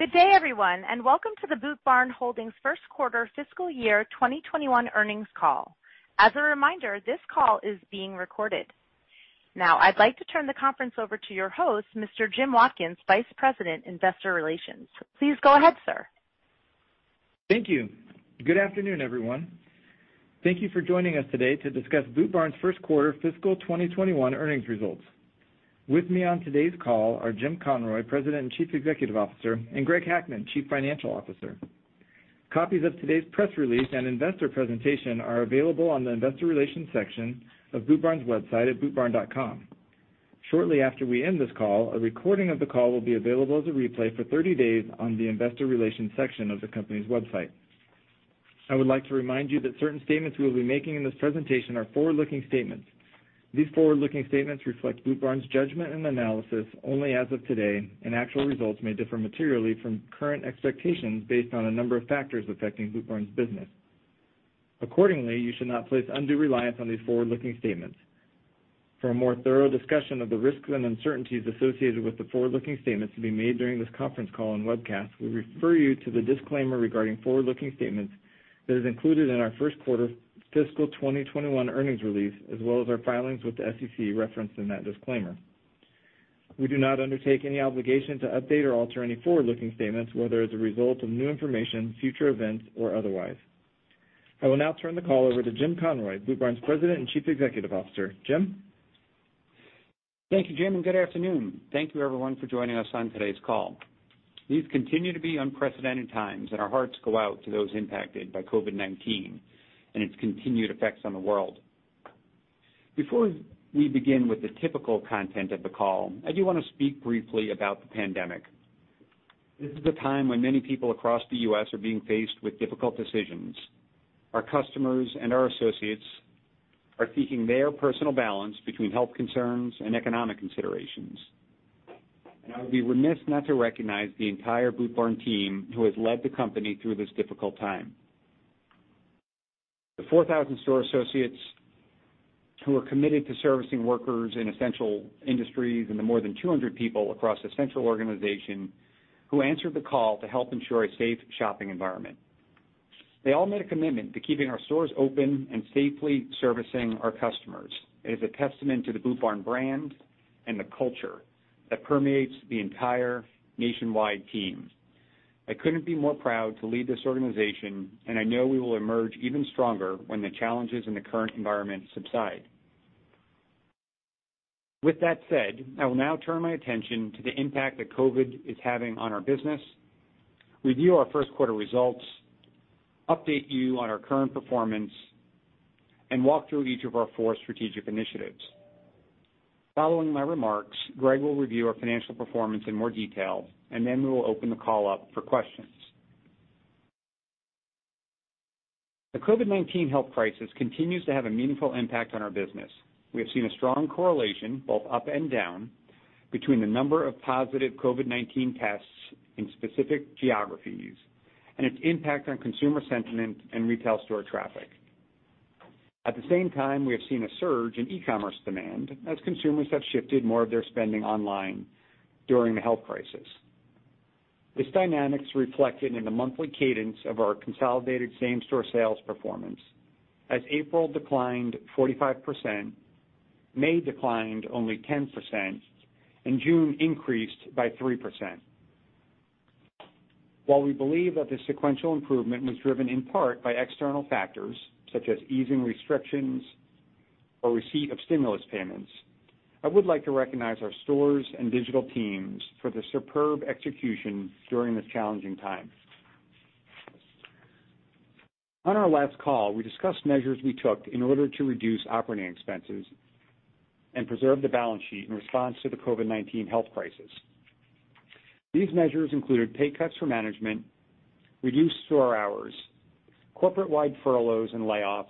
Good day, everyone, and welcome to the Boot Barn Holdings' first quarter fiscal year 2021 earnings call. As a reminder, this call is being recorded. Now, I'd like to turn the conference over to your host, Mr. Jim Watkins, Vice President, Investor Relations. Please go ahead, sir. Thank you. Good afternoon, everyone. Thank you for joining us today to discuss Boot Barn's first quarter fiscal 2021 earnings results. With me on today's call are Jim Conroy, President and Chief Executive Officer, and Greg Hackman, Chief Financial Officer. Copies of today's press release and investor presentation are available on the investor relations section of bootbarn.com. Shortly after we end this call, a recording of the call will be available as a replay for 30 days on the investor relations section of the company's website. I would like to remind you that certain statements we will be making in this presentation are forward-looking statements. These forward-looking statements reflect Boot Barn's judgment and analysis only as of today, actual results may differ materially from current expectations based on a number of factors affecting Boot Barn's business. Accordingly, you should not place undue reliance on these forward-looking statements. For a more thorough discussion of the risks and uncertainties associated with the forward-looking statements to be made during this conference call and webcast, we refer you to the disclaimer regarding forward-looking statements that is included in our first quarter fiscal 2021 earnings release, as well as our filings with the SEC referenced in that disclaimer. We do not undertake any obligation to update or alter any forward-looking statements, whether as a result of new information, future events, or otherwise. I will now turn the call over to Jim Conroy, Boot Barn's President and Chief Executive Officer. Jim? Thank you, Jim, and good afternoon. Thank you everyone for joining us on today's call. These continue to be unprecedented times, and our hearts go out to those impacted by COVID-19 and its continued effects on the world. Before we begin with the typical content of the call, I do want to speak briefly about the pandemic. This is a time when many people across the U.S. are being faced with difficult decisions. Our customers and our associates are seeking their personal balance between health concerns and economic considerations. I would be remiss not to recognize the entire Boot Barn team who has led the company through this difficult time. The 4,000 store associates who are committed to servicing workers in essential industries, and the more than 200 people across the central organization who answered the call to help ensure a safe shopping environment. They all made a commitment to keeping our stores open and safely servicing our customers. It is a testament to the Boot Barn brand and the culture that permeates the entire nationwide team. I couldn't be more proud to lead this organization, and I know we will emerge even stronger when the challenges in the current environment subside. With that said, I will now turn my attention to the impact that COVID is having on our business, review our first quarter results, update you on our current performance, and walk through each of our four strategic initiatives. Following my remarks, Greg will review our financial performance in more detail, and then we will open the call up for questions. The COVID-19 health crisis continues to have a meaningful impact on our business. We have seen a strong correlation, both up and down, between the number of positive COVID-19 tests in specific geographies and its impact on consumer sentiment and retail store traffic. At the same time, we have seen a surge in e-commerce demand as consumers have shifted more of their spending online during the health crisis. These dynamics reflected in the monthly cadence of our consolidated same-store sales performance, as April declined 45%, May declined only 10%, and June increased by 3%. While we believe that the sequential improvement was driven in part by external factors such as easing restrictions or receipt of stimulus payments, I would like to recognize our stores and digital teams for their superb execution during this challenging time. On our last call, we discussed measures we took in order to reduce operating expenses and preserve the balance sheet in response to the COVID-19 health crisis. These measures included pay cuts for management, reduced store hours, corporate-wide furloughs and layoffs,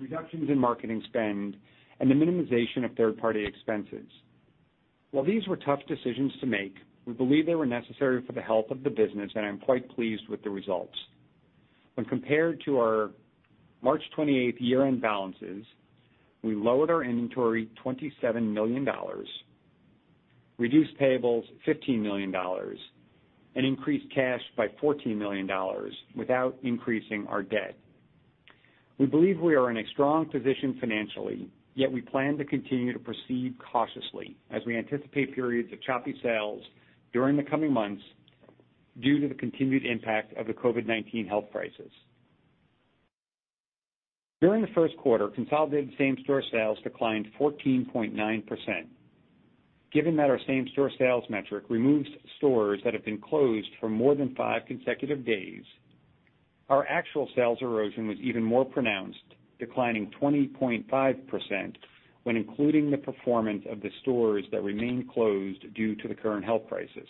reductions in marketing spend, and the minimization of third-party expenses. While these were tough decisions to make, we believe they were necessary for the health of the business, and I'm quite pleased with the results. When compared to our March 28th year-end balances, we lowered our inventory $27 million, reduced payables $15 million, and increased cash by $14 million without increasing our debt. We believe we are in a strong position financially, yet we plan to continue to proceed cautiously as we anticipate periods of choppy sales during the coming months due to the continued impact of the COVID-19 health crisis. During the first quarter, consolidated same-store sales declined 14.9%. Given that our same-store sales metric removes stores that have been closed for more than five consecutive days, our actual sales erosion was even more pronounced, declining 20.5% when including the performance of the stores that remain closed due to the current health crisis.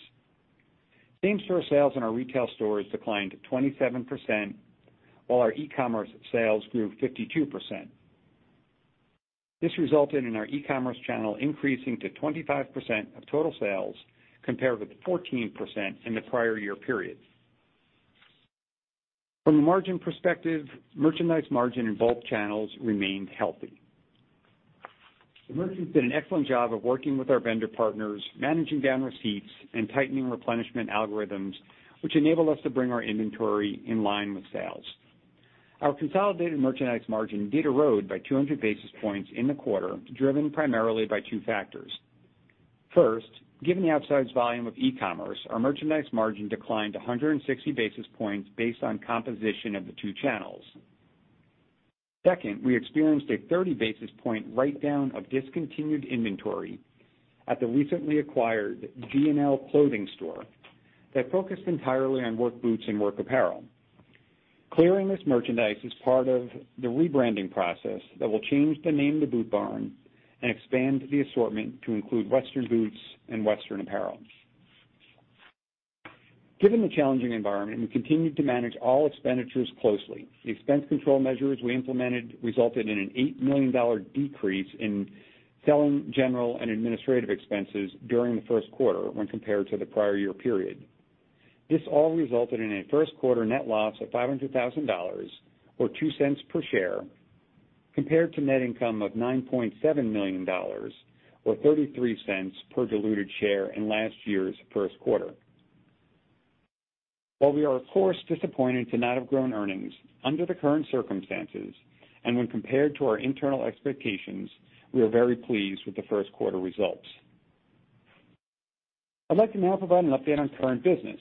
Same-store sales in our retail stores declined 27%, while our e-commerce sales grew 52%. This resulted in our e-commerce channel increasing to 25% of total sales compared with 14% in the prior year period. From a margin perspective, merchandise margin in both channels remained healthy. Merchandise did an excellent job of working with our vendor partners, managing down receipts, and tightening replenishment algorithms, which enable us to bring our inventory in line with sales. Our consolidated merchandise margin did erode by 200 basis points in the quarter, driven primarily by two factors. First, given the outsized volume of e-commerce, our merchandise margin declined 160 basis points based on composition of the two channels. Second, we experienced a 30-basis point write-down of discontinued inventory at the recently acquired G&L Clothing Store that focused entirely on work boots and work apparel. Clearing this merchandise is part of the rebranding process that will change the name to Boot Barn and expand the assortment to include Western boots and Western apparel. Given the challenging environment, we continued to manage all expenditures closely. The expense control measures we implemented resulted in an $8 million decrease in selling, general, and administrative expenses during the first quarter when compared to the prior year period. This all resulted in a first quarter net loss of $500,000, or $0.02 per share, compared to net income of $9.7 million, or $0.33 per diluted share in last year's first quarter. While we are, of course, disappointed to not have grown earnings under the current circumstances, and when compared to our internal expectations, we are very pleased with the first quarter results. I'd like to now provide an update on current business.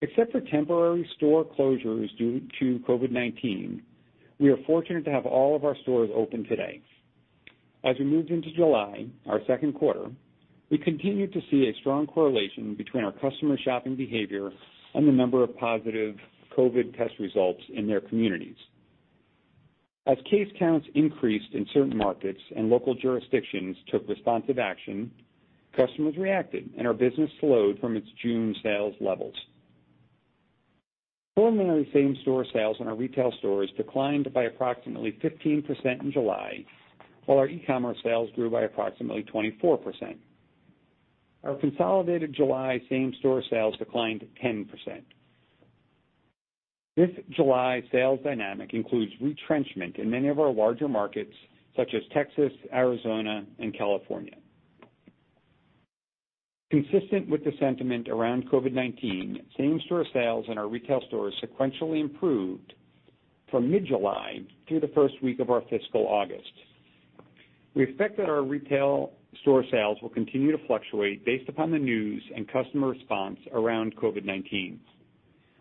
Except for temporary store closures due to COVID-19, we are fortunate to have all of our stores open today. As we moved into July, our second quarter, we continued to see a strong correlation between our customer shopping behavior and the number of positive COVID test results in their communities. As case counts increased in certain markets and local jurisdictions took responsive action, customers reacted, and our business slowed from its June sales levels. Preliminary same-store sales in our retail stores declined by approximately 15% in July, while our e-commerce sales grew by approximately 24%. Our consolidated July same-store sales declined 10%. This July sales dynamic includes retrenchment in many of our larger markets, such as Texas, Arizona, and California. Consistent with the sentiment around COVID-19, same-store sales in our retail stores sequentially improved from mid-July through the first week of our fiscal August. We expect that our retail store sales will continue to fluctuate based upon the news and customer response around COVID-19.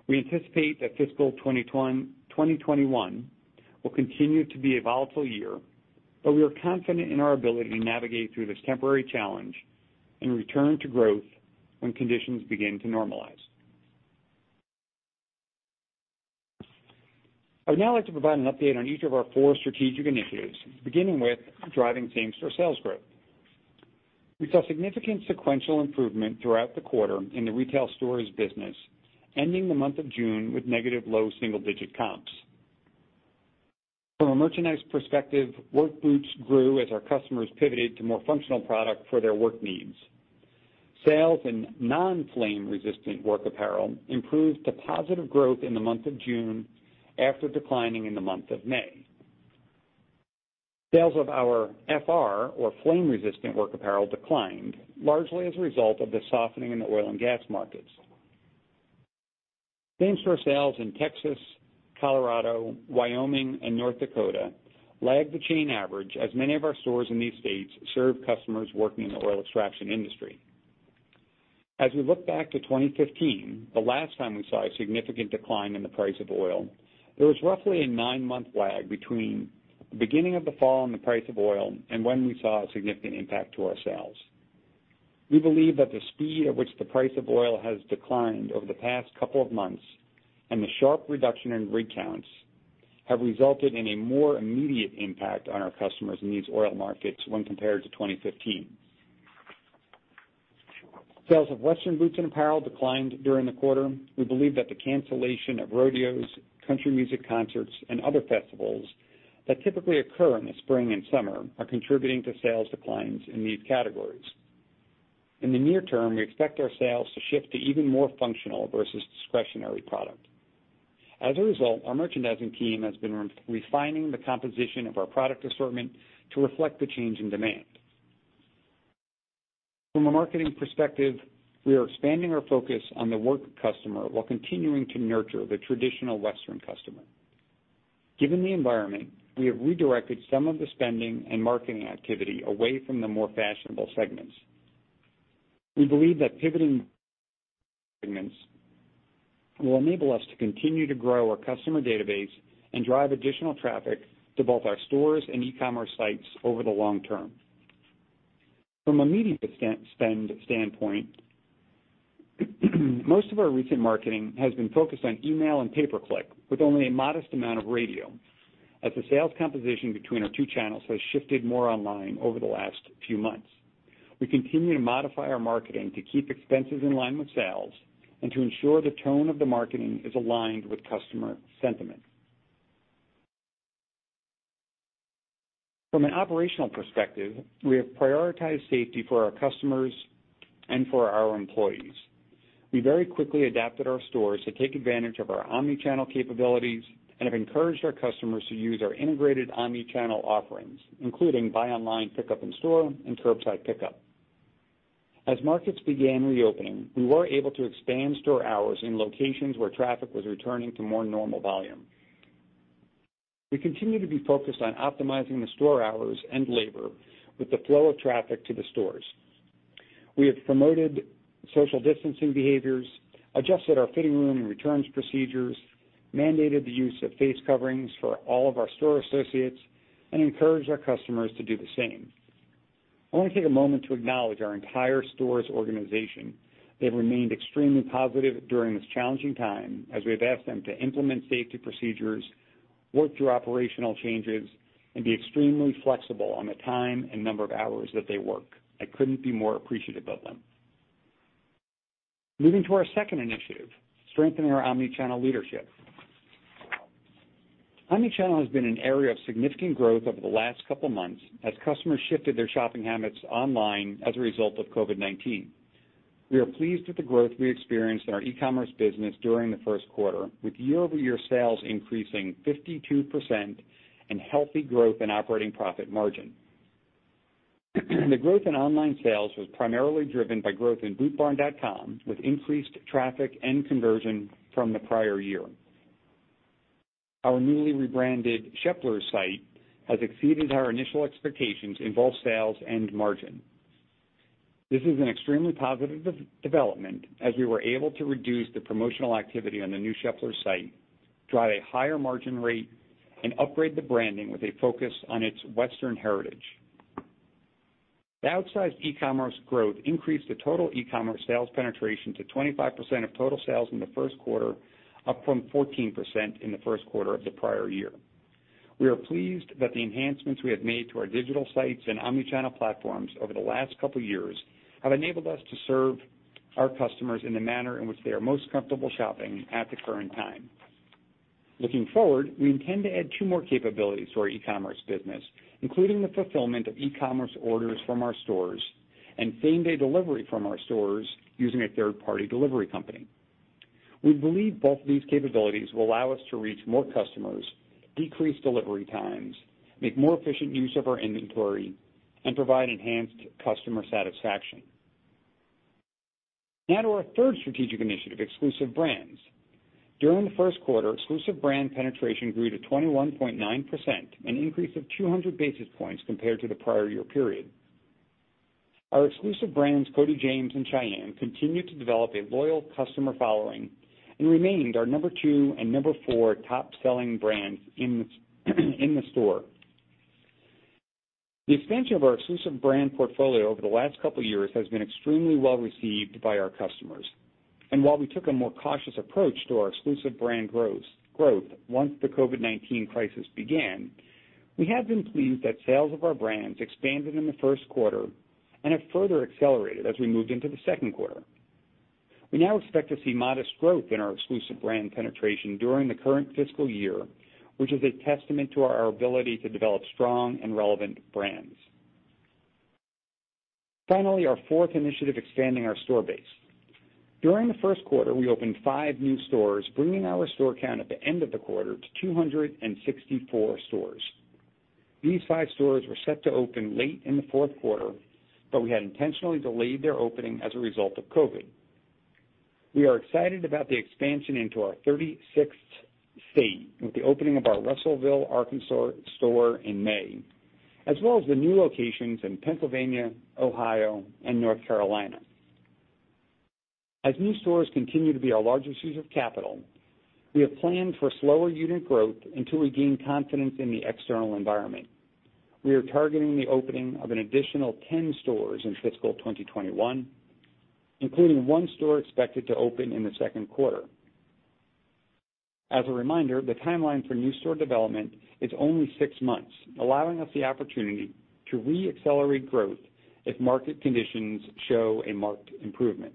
We anticipate that fiscal 2021 will continue to be a volatile year, but we are confident in our ability to navigate through this temporary challenge and return to growth when conditions begin to normalize. I would now like to provide an update on each of our four strategic initiatives, beginning with driving same-store sales growth. We saw significant sequential improvement throughout the quarter in the retail stores business, ending the month of June with negative low double-digit comps. From a merchandise perspective, work boots grew as our customers pivoted to more functional product for their work needs. Sales in non-flame resistant work apparel improved to positive growth in the month of June after declining in the month of May. Sales of our FR, or flame resistant work apparel, declined largely as a result of the softening in the oil and gas markets. Same-store sales in Texas, Colorado, Wyoming, and North Dakota lagged the chain average as many of our stores in these states serve customers working in the oil extraction industry. As we look back to 2015, the last time we saw a significant decline in the price of oil, there was roughly a nine-month lag between the beginning of the fall and the price of oil and when we saw a significant impact to our sales. We believe that the speed at which the price of oil has declined over the past couple of months and the sharp reduction in rig counts have resulted in a more immediate impact on our customers in these oil markets when compared to 2015. Sales of Western boots and apparel declined during the quarter. We believe that the cancellation of rodeos, country music concerts, and other festivals that typically occur in the spring and summer are contributing to sales declines in these categories. In the near term, we expect our sales to shift to even more functional versus discretionary product. As a result, our merchandising team has been refining the composition of our product assortment to reflect the change in demand. From a marketing perspective, we are expanding our focus on the work customer while continuing to nurture the traditional Western customer. Given the environment, we have redirected some of the spending and marketing activity away from the more fashionable segments. We believe that pivoting segments will enable us to continue to grow our customer database and drive additional traffic to both our stores and e-commerce sites over the long term. From a media spend standpoint, most of our recent marketing has been focused on email and pay-per-click, with only a modest amount of radio, as the sales composition between our two channels has shifted more online over the last few months. We continue to modify our marketing to keep expenses in line with sales and to ensure the tone of the marketing is aligned with customer sentiment. From an operational perspective, we have prioritized safety for our customers and for our employees. We very quickly adapted our stores to take advantage of our omni-channel capabilities and have encouraged our customers to use our integrated omni-channel offerings, including buy online, pickup in store, and curbside pickup. As markets began reopening, we were able to expand store hours in locations where traffic was returning to more normal volume. We continue to be focused on optimizing the store hours and labor with the flow of traffic to the stores. We have promoted social distancing behaviors, adjusted our fitting room and returns procedures, mandated the use of face coverings for all of our store associates, and encouraged our customers to do the same. I want to take a moment to acknowledge our entire stores organization. They have remained extremely positive during this challenging time as we have asked them to implement safety procedures, work through operational changes, and be extremely flexible on the time and number of hours that they work. I couldn't be more appreciative of them. Moving to our second initiative, strengthening our omni-channel leadership. Omni-channel has been an area of significant growth over the last couple of months as customers shifted their shopping habits online as a result of COVID-19. We are pleased with the growth we experienced in our e-commerce business during the first quarter, with year-over-year sales increasing 52% and healthy growth in operating profit margin. The growth in online sales was primarily driven by growth in bootbarn.com, with increased traffic and conversion from the prior year. Our newly rebranded Sheplers site has exceeded our initial expectations in both sales and margin. This is an extremely positive development, as we were able to reduce the promotional activity on the new Sheplers site, drive a higher margin rate, and upgrade the branding with a focus on its Western heritage. The outsized e-commerce growth increased the total e-commerce sales penetration to 25% of total sales in the first quarter, up from 14% in the first quarter of the prior year. We are pleased that the enhancements we have made to our digital sites and omni-channel platforms over the last couple of years have enabled us to serve our customers in the manner in which they are most comfortable shopping at the current time. Looking forward, we intend to add two more capabilities to our e-commerce business, including the fulfillment of e-commerce orders from our stores and same-day delivery from our stores using a third-party delivery company. We believe both of these capabilities will allow us to reach more customers, decrease delivery times, make more efficient use of our inventory, and provide enhanced customer satisfaction. To our third strategic initiative, exclusive brands. During the first quarter, exclusive brand penetration grew to 21.9%, an increase of 200 basis points compared to the prior year period. Our exclusive brands, Cody James and Shyanne, continued to develop a loyal customer following and remained our number two and number four top-selling brands in the store. The expansion of our exclusive brand portfolio over the last couple of years has been extremely well-received by our customers. While we took a more cautious approach to our exclusive brand growth once the COVID-19 crisis began, we have been pleased that sales of our brands expanded in the first quarter and have further accelerated as we moved into the second quarter. We now expect to see modest growth in our exclusive brand penetration during the current fiscal year, which is a testament to our ability to develop strong and relevant brands. Finally, our fourth initiative, expanding our store base. During the first quarter, we opened five new stores, bringing our store count at the end of the quarter to 264 stores. These five stores were set to open late in the fourth quarter, but we had intentionally delayed their opening as a result of COVID. We are excited about the expansion into our 36th state with the opening of our Russellville, Arkansas store in May, as well as the new locations in Pennsylvania, Ohio, and North Carolina. As new stores continue to be our largest use of capital, we have planned for slower unit growth until we gain confidence in the external environment. We are targeting the opening of an additional 10 stores in fiscal 2021, including one store expected to open in the second quarter. As a reminder, the timeline for new store development is only six months, allowing us the opportunity to re-accelerate growth if market conditions show a marked improvement.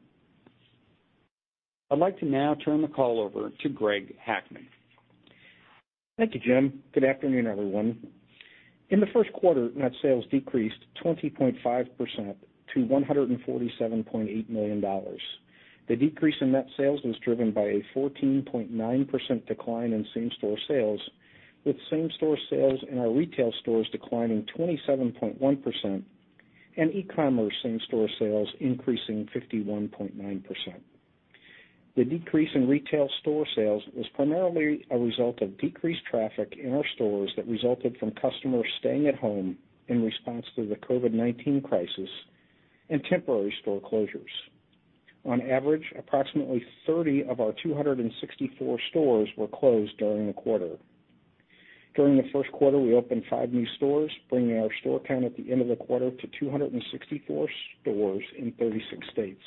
I'd like to now turn the call over to Greg Hackman. Thank you, Jim. Good afternoon, everyone. In the first quarter, net sales decreased 20.5% to $147.8 million. The decrease in net sales was driven by a 14.9% decline in same-store sales, with same-store sales in our retail stores declining 27.1% and e-commerce same-store sales increasing 51.9%. The decrease in retail store sales was primarily a result of decreased traffic in our stores that resulted from customers staying at home in response to the COVID-19 crisis and temporary store closures. On average, approximately 30 of our 264 stores were closed during the quarter. During the first quarter, we opened five new stores, bringing our store count at the end of the quarter to 264 stores in 36 states.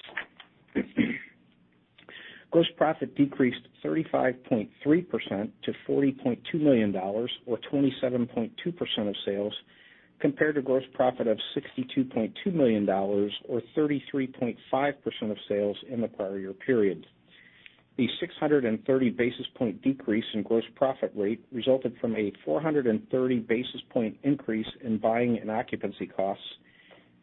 Gross profit decreased 35.3% to $40.2 million or 27.2% of sales, compared to gross profit of $62.2 million or 33.5% of sales in the prior year period. The 630 basis point decrease in gross profit rate resulted from a 430 basis point increase in buying and occupancy costs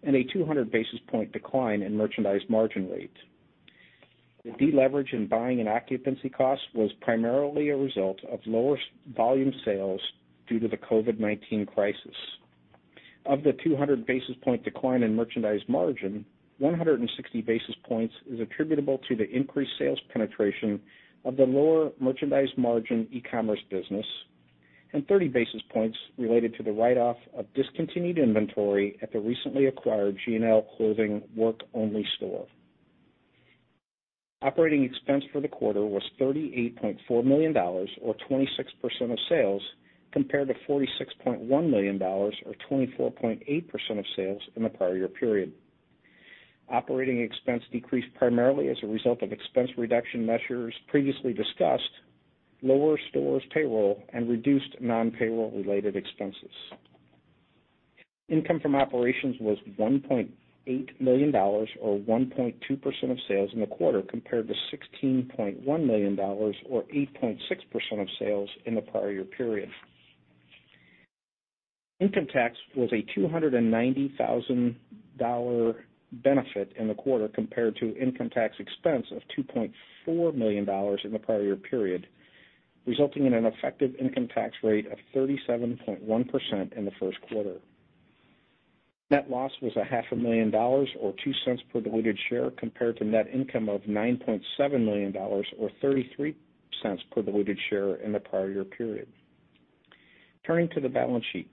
and a 200 basis point decline in merchandise margin rate. The deleverage in buying and occupancy costs was primarily a result of lower volume sales due to the COVID-19 crisis. Of the 200 basis point decline in merchandise margin, 160 basis points is attributable to the increased sales penetration of the lower merchandise margin e-commerce business, and 30 basis points related to the write-off of discontinued inventory at the recently acquired G&L Clothing work-only store. Operating expense for the quarter was $38.4 million, or 26% of sales, compared to $46.1 million, or 24.8% of sales, in the prior year period. Operating expense decreased primarily as a result of expense reduction measures previously discussed, lower stores payroll, and reduced non-payroll related expenses. Income from operations was $1.8 million, or 1.2% of sales in the quarter, compared to $16.1 million, or 8.6% of sales in the prior year period. Income tax was a $290,000 benefit in the quarter compared to income tax expense of $2.4 million in the prior year period, resulting in an effective income tax rate of 37.1% in the first quarter. Net loss was a half a million dollars or $0.02 per diluted share compared to net income of $9.7 million or $0.33 per diluted share in the prior year period. Turning to the balance sheet.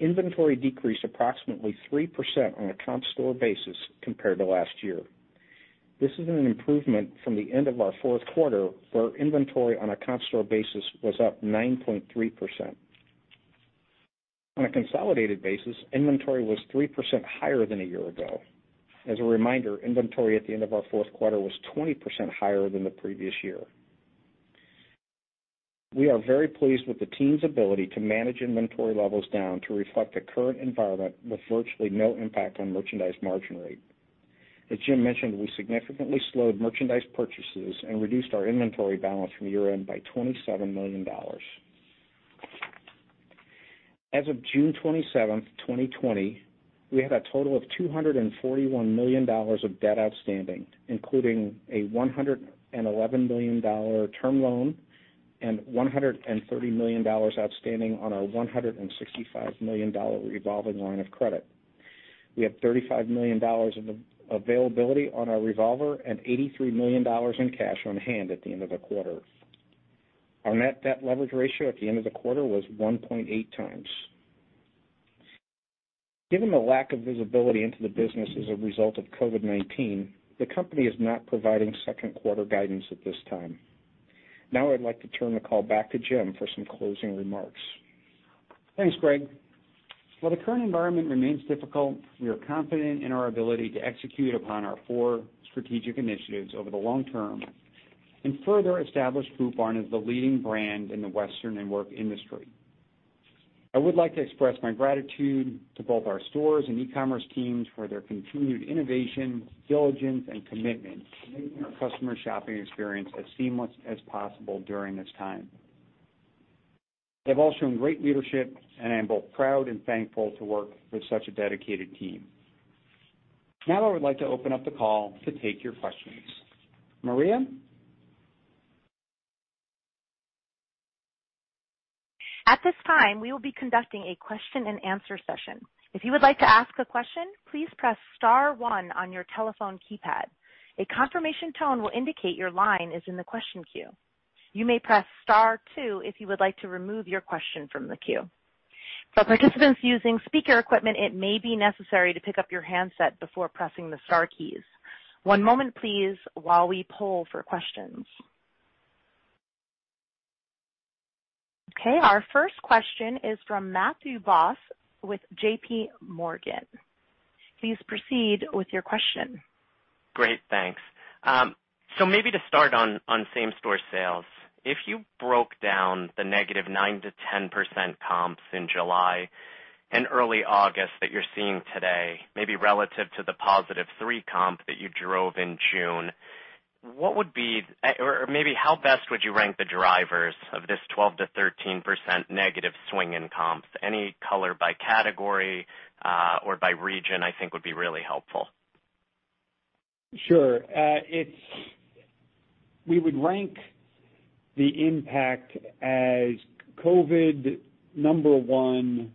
Inventory decreased approximately 3% on a comp store basis compared to last year. This is an improvement from the end of our fourth quarter, where inventory on a comp store basis was up 9.3%. On a consolidated basis, inventory was 3% higher than a year ago. As a reminder, inventory at the end of our fourth quarter was 20% higher than the previous year. We are very pleased with the team's ability to manage inventory levels down to reflect the current environment with virtually no impact on merchandise margin rate. As Jim mentioned, we significantly slowed merchandise purchases and reduced our inventory balance from year-end by $27 million. As of June 27th, 2020, we had a total of $241 million of debt outstanding, including a $111 million term loan and $130 million outstanding on our $165 million revolving line of credit. We have $35 million in availability on our revolver and $83 million in cash on hand at the end of the quarter. Our net debt leverage ratio at the end of the quarter was 1.8 times. Given the lack of visibility into the business as a result of COVID-19, the company is not providing second quarter guidance at this time. Now I'd like to turn the call back to Jim for some closing remarks. Thanks, Greg. While the current environment remains difficult, we are confident in our ability to execute upon our four strategic initiatives over the long term and further establish Boot Barn as the leading brand in the Western and work industry. I would like to express my gratitude to both our stores and e-commerce teams for their continued innovation, diligence, and commitment to making our customer shopping experience as seamless as possible during this time. They've all shown great leadership, I am both proud and thankful to work with such a dedicated team. Now I would like to open up the call to take your questions. Maria? At this time, we will be conducting a question and answer session. If you would like to ask a question, please press star one on your telephone keypad. A confirmation tone will indicate your line is in the question queue. You may press star two if you would like to remove your question from the queue. For participants using speaker equipment, it may be necessary to pick up your handset before pressing the star keys. One moment, please, while we poll for questions. Okay, our first question is from Matthew Boss with JPMorgan. Please proceed with your question. Great. Thanks. Maybe to start on same store sales, if you broke down the negative 9% to 10% comps in July and early August that you're seeing today, maybe relative to the positive 3% comp that you drove in June, how best would you rank the drivers of this 12% to 13% negative swing in comps? Any color by category or by region, I think, would be really helpful. Sure. We would rank the impact as COVID-19 number one,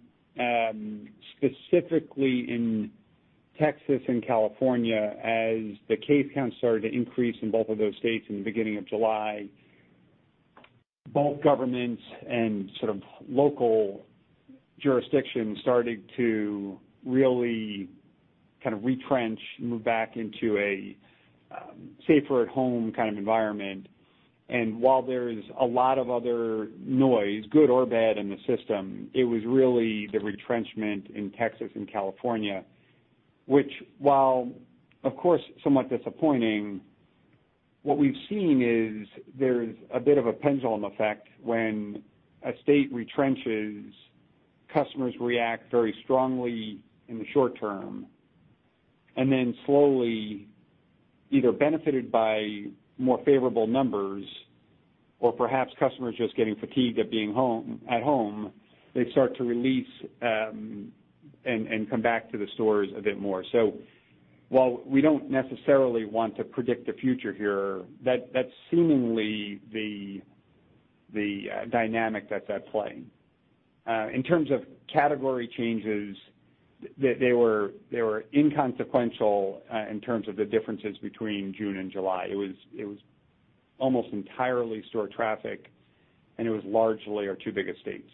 specifically in Texas and California, as the case count started to increase in both of those states in the beginning of July. Both governments and sort of local jurisdictions started to really kind of retrench, move back into a safer at home kind of environment. While there's a lot of other noise, good or bad in the system, it was really the retrenchment in Texas and California, which while of course, somewhat disappointing, what we've seen is there's a bit of a pendulum effect. When a state retrenches, customers react very strongly in the short term. Slowly, either benefited by more favorable numbers or perhaps customers just getting fatigued at being at home, they start to release and come back to the stores a bit more. While we don't necessarily want to predict the future here, that's seemingly the dynamic that's at play. In terms of category changes, they were inconsequential in terms of the differences between June and July. It was almost entirely store traffic, and it was largely our two biggest states.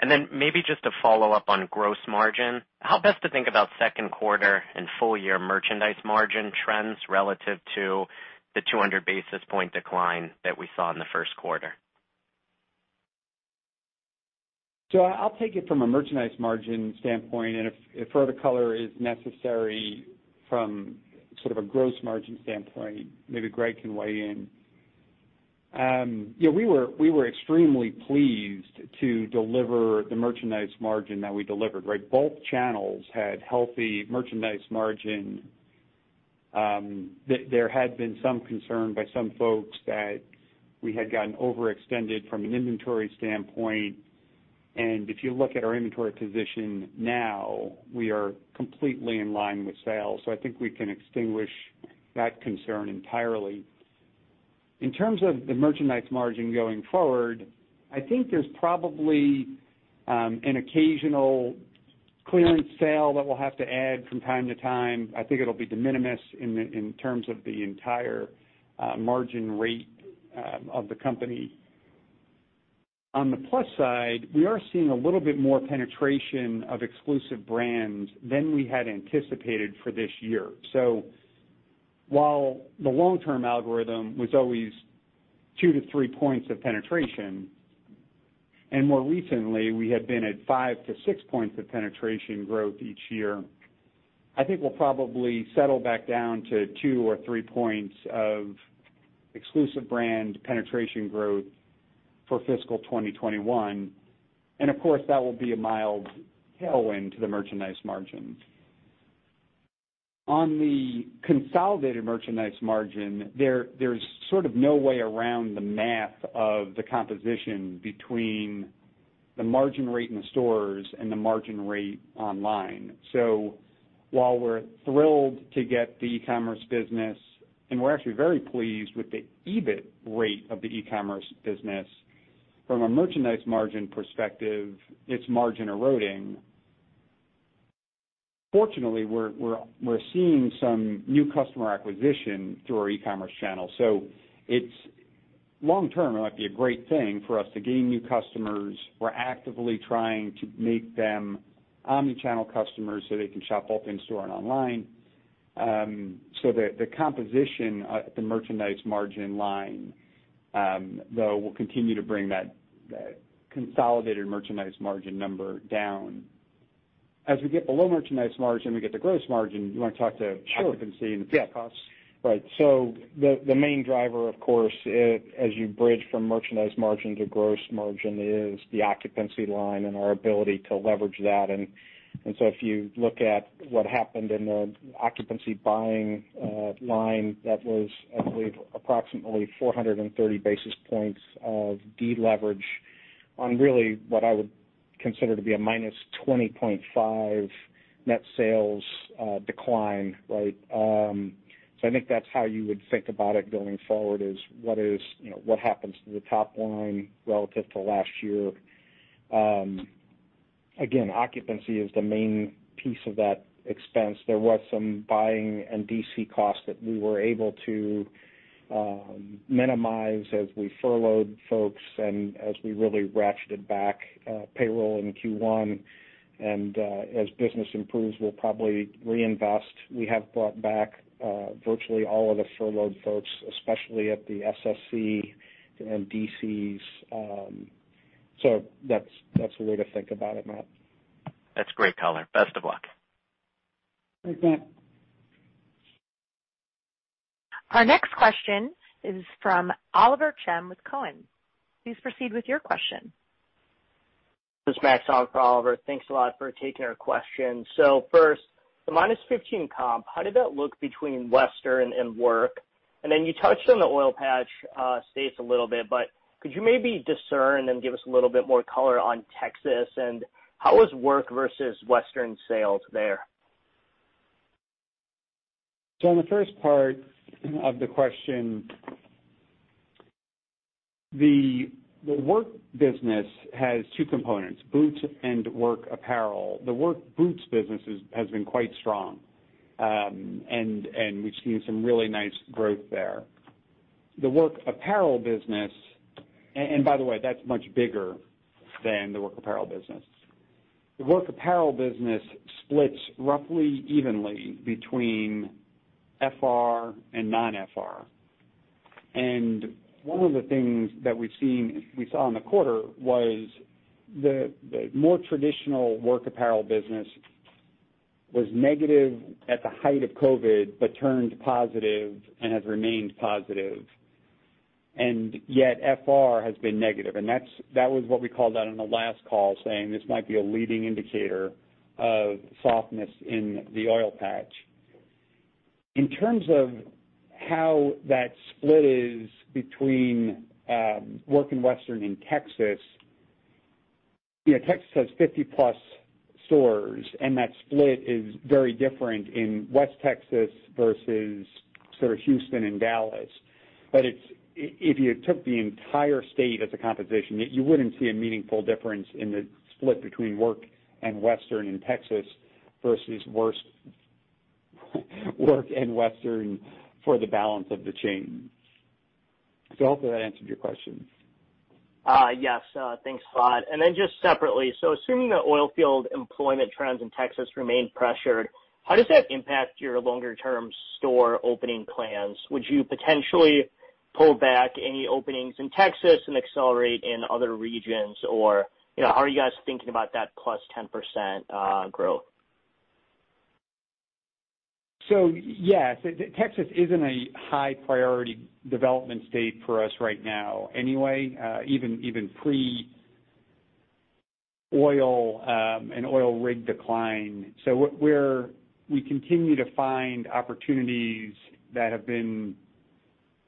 Great. Then maybe just to follow up on gross margin, how best to think about second quarter and full year merchandise margin trends relative to the 200 basis point decline that we saw in the first quarter? I'll take it from a merchandise margin standpoint, and if further color is necessary from sort of a gross margin standpoint, maybe Greg can weigh in. We were extremely pleased to deliver the merchandise margin that we delivered, right? Both channels had healthy merchandise margin. There had been some concern by some folks that we had gotten overextended from an inventory standpoint, and if you look at our inventory position now, we are completely in line with sales. I think we can extinguish that concern entirely. In terms of the merchandise margin going forward, I think there's probably an occasional clearance sale that we'll have to add from time to time. I think it'll be de minimis in terms of the entire margin rate of the company. On the plus side, we are seeing a little bit more penetration of exclusive brands than we had anticipated for this year. While the long-term algorithm was always two to three points of penetration, and more recently, we had been at five to six points of penetration growth each year, I think we'll probably settle back down to two or three points of exclusive brand penetration growth for fiscal 2021. Of course, that will be a mild tailwind to the merchandise margin. On the consolidated merchandise margin, there's sort of no way around the math of the composition between the margin rate in the stores and the margin rate online. While we're thrilled to get the e-commerce business, and we're actually very pleased with the EBIT rate of the e-commerce business, from a merchandise margin perspective, it's margin eroding. Fortunately, we're seeing some new customer acquisition through our e-commerce channel. Long term, it might be a great thing for us to gain new customers. We're actively trying to make them omni-channel customers so they can shop both in store and online. The composition at the merchandise margin line, though, will continue to bring that consolidated merchandise margin number down. As we get below merchandise margin, we get to gross margin. You want to talk to occupancy and fixed costs? Sure. Yeah. The main driver, of course, as you bridge from merchandise margin to gross margin, is the occupancy line and our ability to leverage that. If you look at what happened in the occupancy buying line, that was, I believe, approximately 430 basis points of deleverage on really what I would consider to be a -20.5 net sales decline. I think that's how you would think about it going forward, is what happens to the top line relative to last year. Again, occupancy is the main piece of that expense. There was some buying and DC costs that we were able to minimize as we furloughed folks and as we really ratcheted back payroll in Q1. As business improves, we'll probably reinvest. We have brought back virtually all of the furloughed folks, especially at the SSC and DCs. That's the way to think about it, Matt. That's great color. Best of luck. Thanks, Matt. Our next question is from Oliver Chen with Cowen. Please proceed with your question. This is Max on for Oliver. Thanks a lot for taking our question. First, the -15% comp, how did that look between western and work? Then you touched on the oil patch states a little bit, but could you maybe discern and give us a little bit more color on Texas, and how was work versus western sales there? On the first part of the question, the work business has two components, boots and work apparel. The work boots business has been quite strong, and we've seen some really nice growth there. The work apparel business, and by the way, that's much bigger than the work apparel business. The work apparel business splits roughly evenly between FR and non-FR. One of the things that we saw in the quarter was the more traditional work apparel business was negative at the height of COVID-19, but turned positive and has remained positive. Yet FR has been negative. That was what we called out on the last call, saying this might be a leading indicator of softness in the oil patch. In terms of how that split is between Work and Western in Texas has 50 plus stores. That split is very different in West Texas versus Houston and Dallas. If you took the entire state as a composition, you wouldn't see a meaningful difference in the split between Work and Western in Texas versus Work and Western for the balance of the chain. Hopefully that answered your question. Yes, thanks a lot. Just separately, assuming the oil field employment trends in Texas remain pressured, how does that impact your longer-term store opening plans? Would you potentially pull back any openings in Texas and accelerate in other regions? How are you guys thinking about that plus 10% growth? Yes, Texas isn't a high priority development state for us right now anyway, even pre-oil and oil rig decline. We continue to find opportunities that have been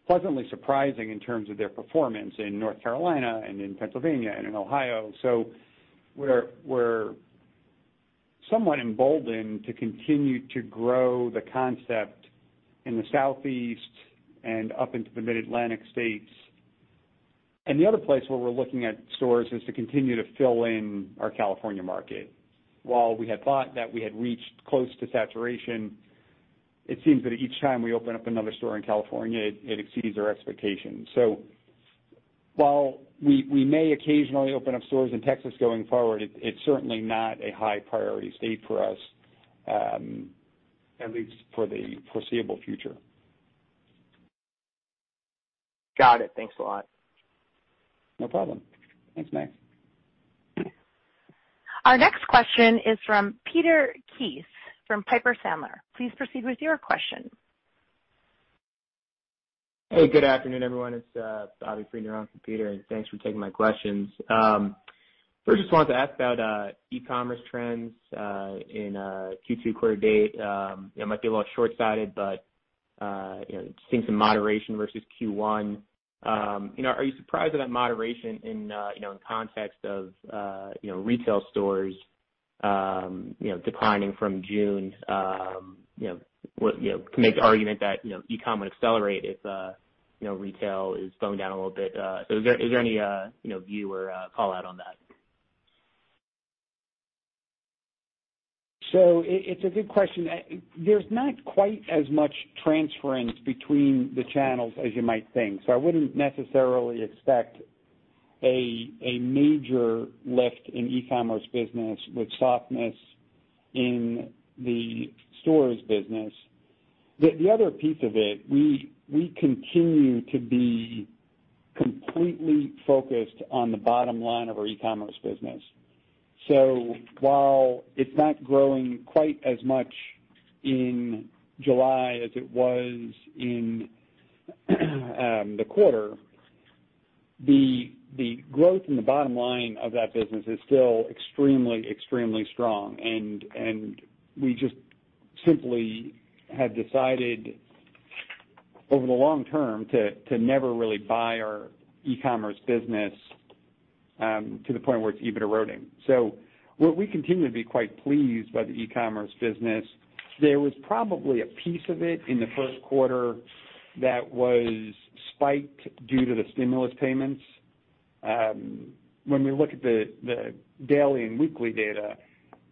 pleasantly surprising in terms of their performance in North Carolina and in Pennsylvania and in Ohio. We're somewhat emboldened to continue to grow the concept in the Southeast and up into the Mid-Atlantic states. The other place where we're looking at stores is to continue to fill in our California market. While we had thought that we had reached close to saturation, it seems that each time we open up another store in California, it exceeds our expectations. While we may occasionally open up stores in Texas going forward, it's certainly not a high priority state for us, at least for the foreseeable future. Got it. Thanks a lot. No problem. Thanks, Max. Our next question is from Peter Keith from Piper Sandler. Please proceed with your question. Hey, good afternoon, everyone. It's Robert Friedner on for Peter, and thanks for taking my questions. First, I just wanted to ask about e-commerce trends in Q2 quarter-to-date. It might be a little short-sighted, but seeing some moderation versus Q1. Are you surprised by that moderation in the context of retail stores declining from June? You can make the argument that e-com would accelerate if retail is going down a little bit. Is there any view or call out on that? It's a good question. There's not quite as much transference between the channels as you might think. I wouldn't necessarily expect a major lift in e-commerce business with softness in the stores business. The other piece of it, we continue to be completely focused on the bottom line of our e-commerce business. While it's not growing quite as much in July as it was in the quarter, the growth in the bottom line of that business is still extremely strong. We just simply have decided over the long term to never really buy our e-commerce business to the point where it's even eroding. We continue to be quite pleased by the e-commerce business. There was probably a piece of it in the first quarter that was spiked due to the stimulus payments. When we look at the daily and weekly data,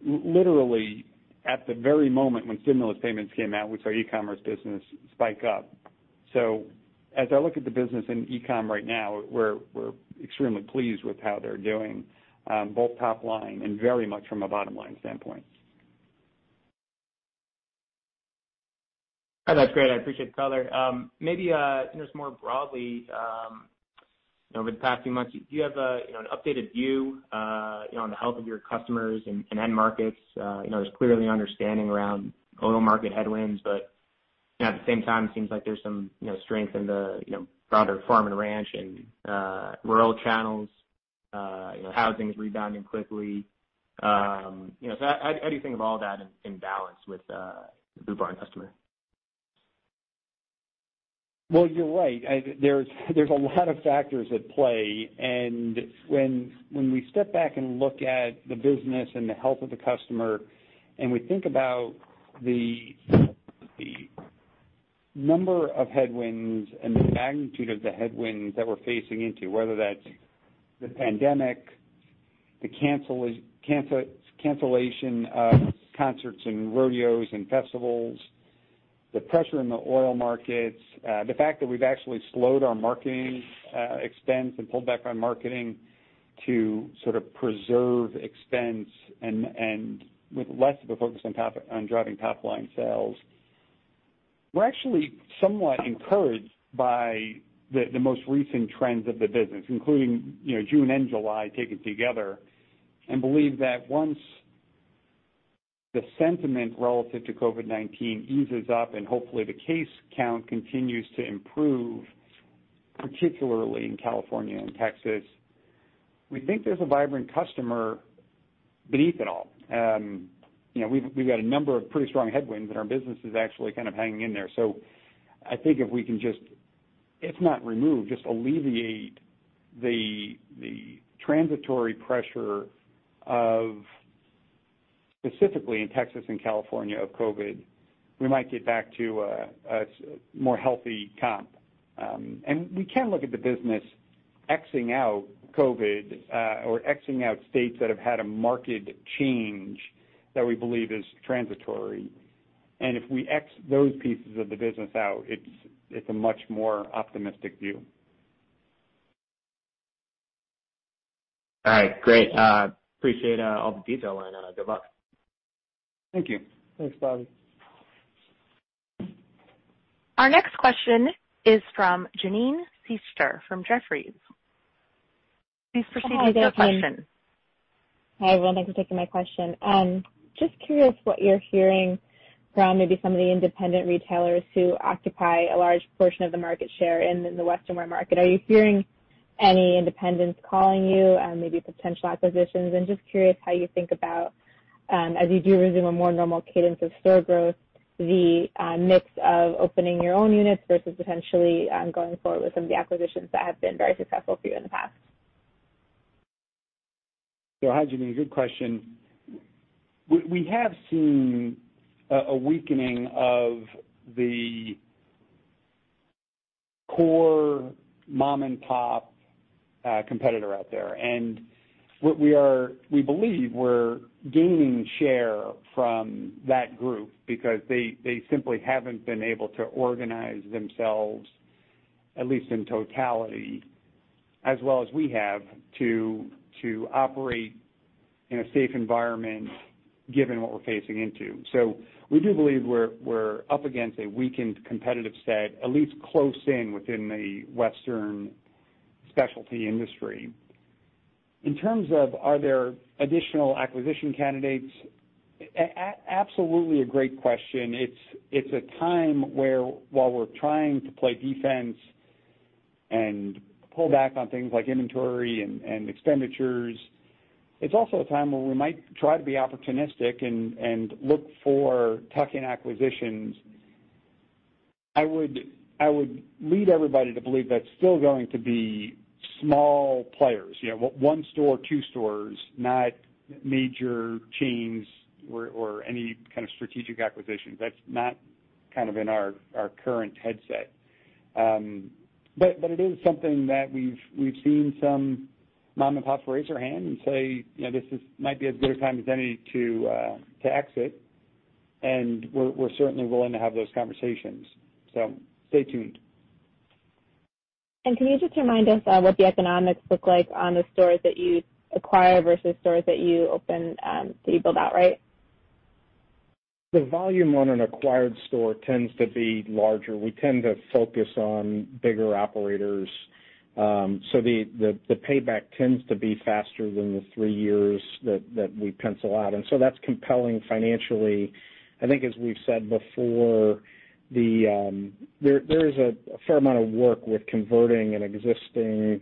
literally at the very moment when stimulus payments came out, we saw e-commerce business spike up. As I look at the business in e-com right now, we're extremely pleased with how they're doing, both top line and very much from a bottom-line standpoint. That's great. I appreciate the color. Maybe just more broadly, over the past few months, do you have an updated view on the health of your customers and end markets? There's clearly understanding around oil market headwinds, but at the same time, it seems like there's some strength in the broader farm and ranch and rural channels. Housing's rebounding quickly. How do you think of all that in balance with the Boot Barn customer? Well, you're right. There's a lot of factors at play. When we step back and look at the business and the health of the customer, and we think about the number of headwinds and the magnitude of the headwinds that we're facing into, whether that's the pandemic, the cancellation of concerts and rodeos and festivals, the pressure in the oil markets, the fact that we've actually slowed our marketing expense and pulled back on marketing to sort of preserve expense and with less of a focus on driving top-line sales. We're actually somewhat encouraged by the most recent trends of the business, including June and July taken together, and believe that once the sentiment relative to COVID-19 eases up, and hopefully the case count continues to improve, particularly in California and Texas. We think there's a vibrant customer beneath it all. We've got a number of pretty strong headwinds, and our business is actually kind of hanging in there. I think if we can just, if not remove, just alleviate the transitory pressure of, specifically in Texas and California, of COVID-19, we might get back to a more healthy comp. We can look at the business exing out COVID-19, or exing out states that have had a market change that we believe is transitory. If we ex those pieces of the business out, it's a much more optimistic view. All right, great. Appreciate all the detail and good luck. Thank you. Thanks, Bobby. Our next question is from Janine Stichter from Jefferies. Please proceed with your question. Hi, everyone. Thanks for taking my question. Just curious what you're hearing from maybe some of the independent retailers who occupy a large portion of the market share in the western wear market. Are you hearing any independents calling you, maybe potential acquisitions? Just curious how you think about, as you do resume a more normal cadence of store growth, the mix of opening your own units versus potentially going forward with some of the acquisitions that have been very successful for you in the past. Hi, Janine, good question. We have seen a weakening of the core mom and pop competitor out there, and we believe we're gaining share from that group because they simply haven't been able to organize themselves, at least in totality, as well as we have to operate in a safe environment given what we're facing into. We do believe we're up against a weakened competitive set, at least close in within the western specialty industry. In terms of are there additional acquisition candidates? Absolutely a great question. It's a time where while we're trying to play defense and pull back on things like inventory and expenditures, it's also a time where we might try to be opportunistic and look for tuck-in acquisitions. I would lead everybody to believe that's still going to be small players. One store, two stores, not major chains or any kind of strategic acquisitions. That's not kind of in our current headset. It is something that we've seen some mom and pops raise their hand and say, "This is might be as good a time as any to exit." We're certainly willing to have those conversations. Stay tuned. Can you just remind us what the economics look like on the stores that you acquire versus stores that you open, that you build out, right? The volume on an acquired store tends to be larger. We tend to focus on bigger operators. The payback tends to be faster than the three years that we pencil out, and so that's compelling financially. I think as we've said before, there is a fair amount of work with converting an existing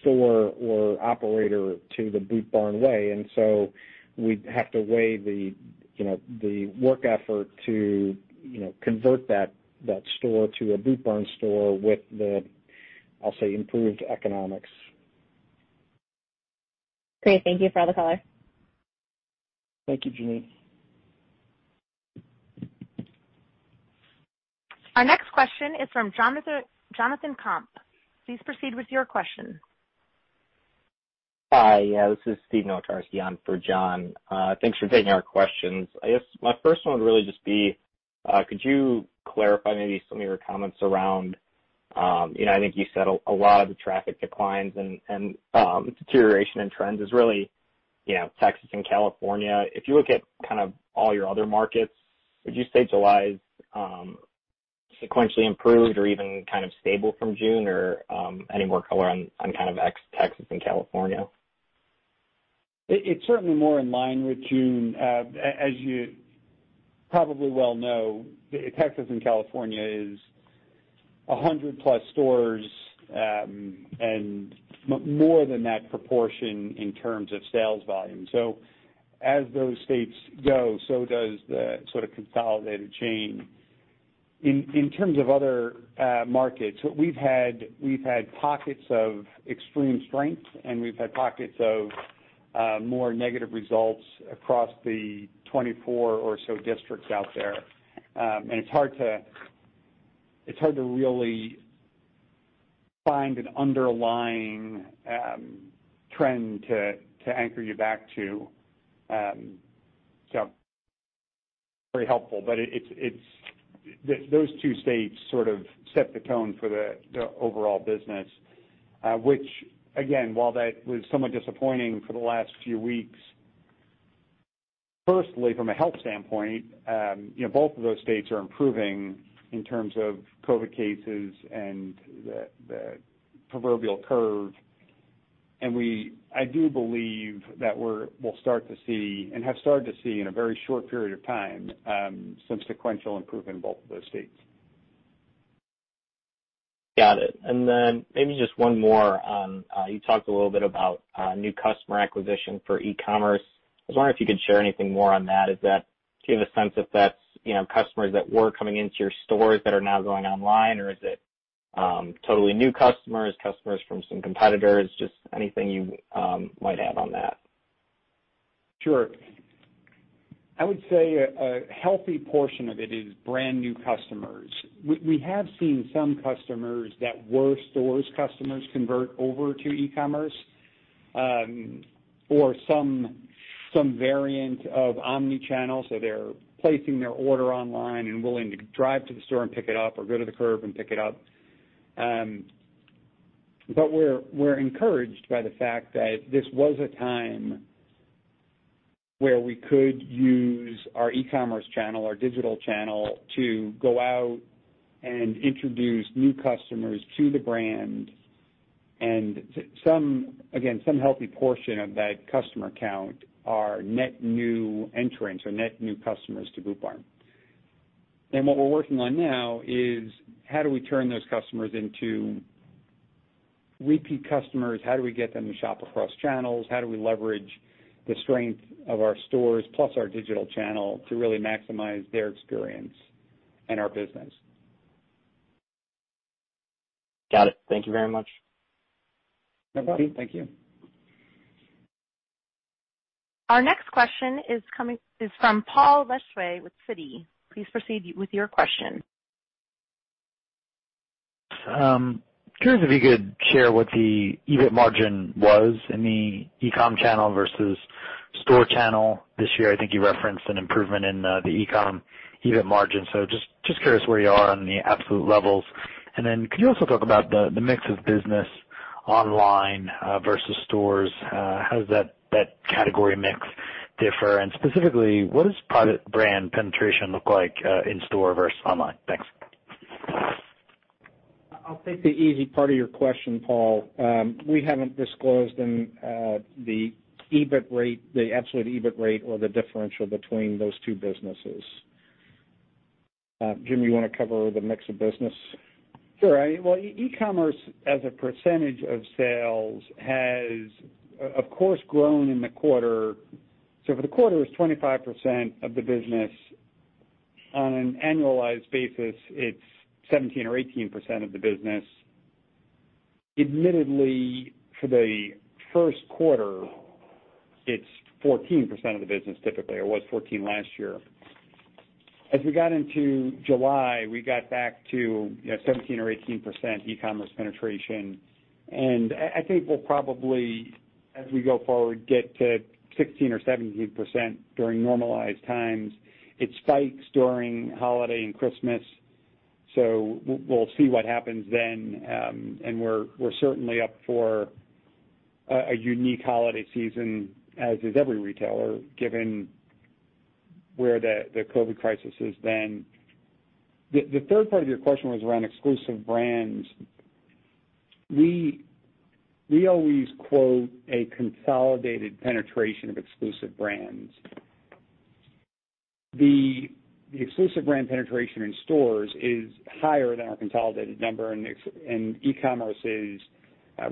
store or operator to the Boot Barn way, and so we have to weigh the work effort to convert that store to a Boot Barn store with the, I'll say, improved economics. Great. Thank you for all the color. Thank you, Janine. Our next question is from Jonathan Komp. Please proceed with your question. Hi, this is Steven Nowotarski for John. Thanks for taking our questions. I guess my first one would really just be, could you clarify maybe some of your comments around I think you said a lot of the traffic declines and deterioration in trends is really Texas and California. If you look at kind of all your other markets, would you say July sequentially improved or even kind of stable from June? Or any more color on kind of ex Texas and California? It's certainly more in line with June. As you probably well know, Texas and California is 100-plus stores, and more than that proportion in terms of sales volume. As those states go, so does the sort of consolidated chain. In terms of other markets, we've had pockets of extreme strength, and we've had pockets of more negative results across the 24 or so districts out there. It's hard to really find an underlying trend to anchor you back to. Very helpful, but those two states sort of set the tone for the overall business. Which, again, while that was somewhat disappointing for the last few weeks, firstly, from a health standpoint both of those states are improving in terms of COVID cases and the proverbial curve. I do believe that we'll start to see, and have started to see in a very short period of time, some sequential improvement in both of those states. Got it. Maybe just one more. You talked a little bit about new customer acquisition for e-commerce. I was wondering if you could share anything more on that. Do you have a sense if that's customers that were coming into your stores that are now going online, or is it totally new customers from some competitors, just anything you might add on that? Sure. I would say a healthy portion of it is brand-new customers. We have seen some customers that were stores customers convert over to e-commerce, or some variant of omni-channel, so they're placing their order online and willing to drive to the store and pick it up or go to the curb and pick it up. We're encouraged by the fact that this was a time where we could use our e-commerce channel, our digital channel, to go out and introduce new customers to the brand. Again, some healthy portion of that customer count are net new entrants or net new customers to Boot Barn. What we're working on now is how do we turn those customers into repeat customers? How do we get them to shop across channels? How do we leverage the strength of our stores plus our digital channel to really maximize their experience and our business? Got it. Thank you very much. No problem. Thank you. Our next question is from Paul Lejuez with Citi. Please proceed with your question. Curious if you could share what the EBIT margin was in the e-com channel versus store channel this year. I think you referenced an improvement in the e-com EBIT margin. Just curious where you are on the absolute levels. Then could you also talk about the mix of business online versus stores? How does that category mix differ, and specifically, what does private brand penetration look like in-store versus online? Thanks. I'll take the easy part of your question, Paul. We haven't disclosed the absolute EBIT rate or the differential between those two businesses. Jim, you want to cover the mix of business? Sure. Well, e-commerce as a percentage of sales has, of course, grown in the quarter. For the quarter, it's 25% of the business. On an annualized basis, it's 17% or 18% of the business. Admittedly, for the first quarter, it's 14% of the business typically, or was 14% last year. As we got into July, we got back to 17% or 18% e-commerce penetration. I think we'll probably, as we go forward, get to 16% or 17% during normalized times. It spikes during holiday and Christmas. We're certainly up for a unique holiday season, as is every retailer, given where the COVID-19 crisis is then. The third part of your question was around exclusive brands. We always quote a consolidated penetration of exclusive brands. The exclusive brand penetration in stores is higher than our consolidated number, and e-commerce is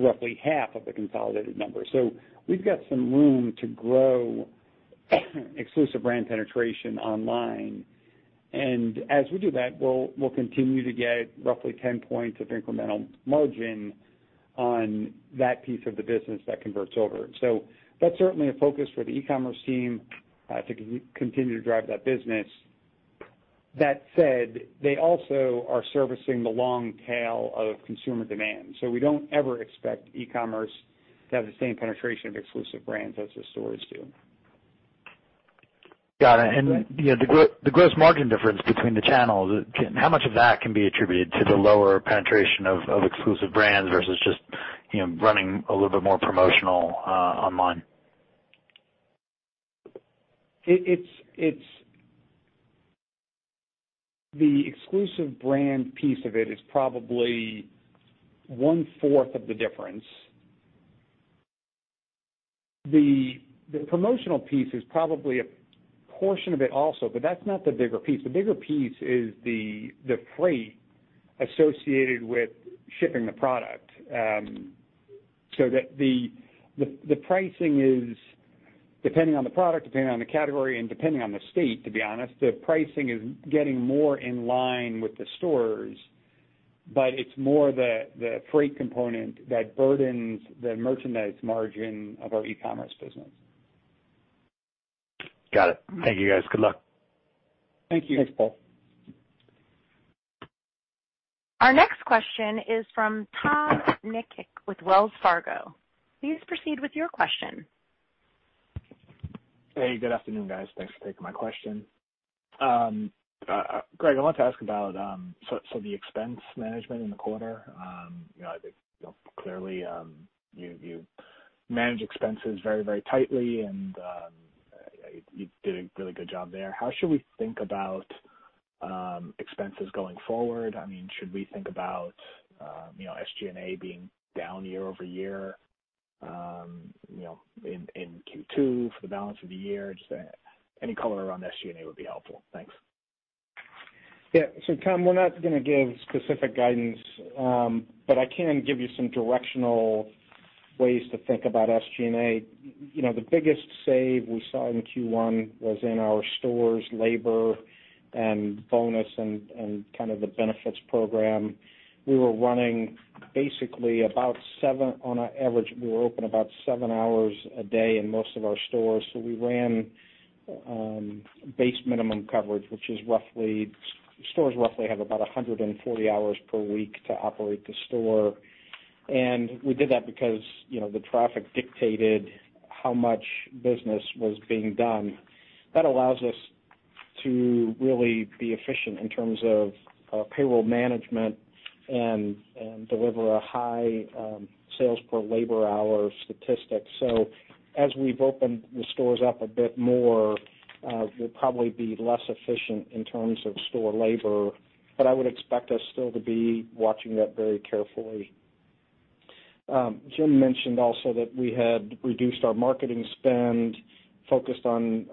roughly half of the consolidated number. We've got some room to grow exclusive brand penetration online. As we do that, we'll continue to get roughly 10 points of incremental margin on that piece of the business that converts over. That's certainly a focus for the e-commerce team, to continue to drive that business. That said, they also are servicing the long tail of consumer demand, we don't ever expect e-commerce to have the same penetration of exclusive brands as the stores do. Got it. The gross margin difference between the channels, how much of that can be attributed to the lower penetration of exclusive brands versus just running a little bit more promotional online? The exclusive brand piece of it is probably one-fourth of the difference. The promotional piece is probably a portion of it also, that's not the bigger piece. The bigger piece is the freight associated with shipping the product. The pricing is depending on the product, depending on the category, and depending on the state, to be honest, the pricing is getting more in line with the stores, it's more the freight component that burdens the merchandise margin of our e-commerce business. Got it. Thank you, guys. Good luck. Thank you. Thanks, Paul. Our next question is from Tom Nikic with Wells Fargo. Please proceed with your question. Hey, good afternoon, guys. Thanks for taking my question. Greg, I wanted to ask about the expense management in the quarter. Clearly, you manage expenses very tightly. You did a really good job there. How should we think about expenses going forward? Should we think about SG&A being down year over year in Q2 for the balance of the year? Just any color around SG&A would be helpful. Thanks. Yeah. Tom, we're not going to give specific guidance, but I can give you some directional ways to think about SG&A. The biggest save we saw in Q1 was in our stores labor and bonus and the benefits program. We were running basically, on an average, we were open about seven hours a day in most of our stores. We ran base minimum coverage. Stores roughly have about 140 hours per week to operate the store. We did that because the traffic dictated how much business was being done. That allows us to really be efficient in terms of payroll management and deliver a high sales per labor hour statistic. As we've opened the stores up a bit more, we'll probably be less efficient in terms of store labor. I would expect us still to be watching that very carefully. Jim mentioned also that we had reduced our marketing spend, focused on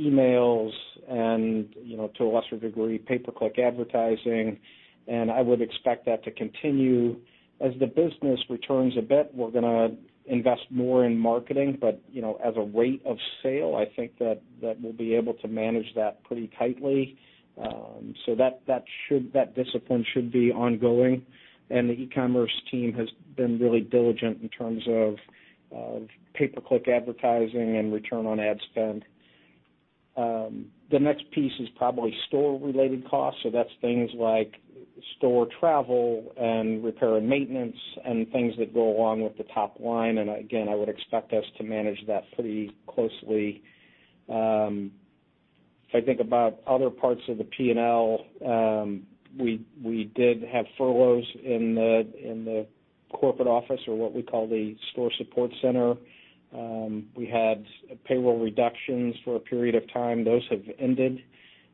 emails and, to a lesser degree, pay-per-click advertising. I would expect that to continue. As the business returns a bit, we're going to invest more in marketing. As a rate of sale, I think that we'll be able to manage that pretty tightly. That discipline should be ongoing. The e-commerce team has been really diligent in terms of pay-per-click advertising and return on ad spend. The next piece is probably store-related costs. That's things like store travel and repair and maintenance and things that go along with the top line. Again, I would expect us to manage that pretty closely. If I think about other parts of the P&L, we did have furloughs in the corporate office or what we call the store support center. We had payroll reductions for a period of time. Those have ended,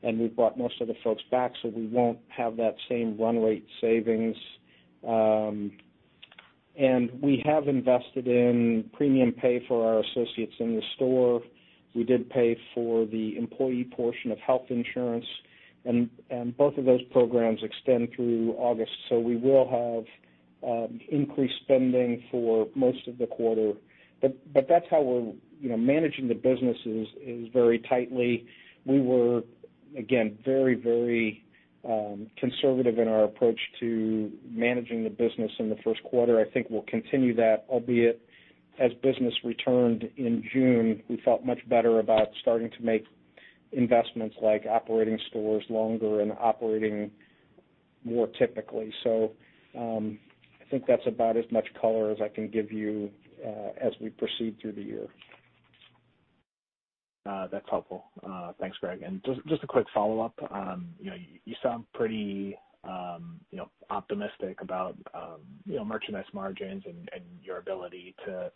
and we've brought most of the folks back, so we won't have that same run rate savings. We have invested in premium pay for our associates in the store. We did pay for the employee portion of health insurance, and both of those programs extend through August. We will have increased spending for most of the quarter. That's how we're managing the businesses, is very tightly. We were, again, very conservative in our approach to managing the business in the first quarter. I think we'll continue that, albeit as business returned in June, we felt much better about starting to make investments like operating stores longer and operating more typically. I think that's about as much color as I can give you as we proceed through the year. That's helpful. Thanks, Greg. Just a quick follow-up. You sound pretty optimistic about merchandise margins and your ability to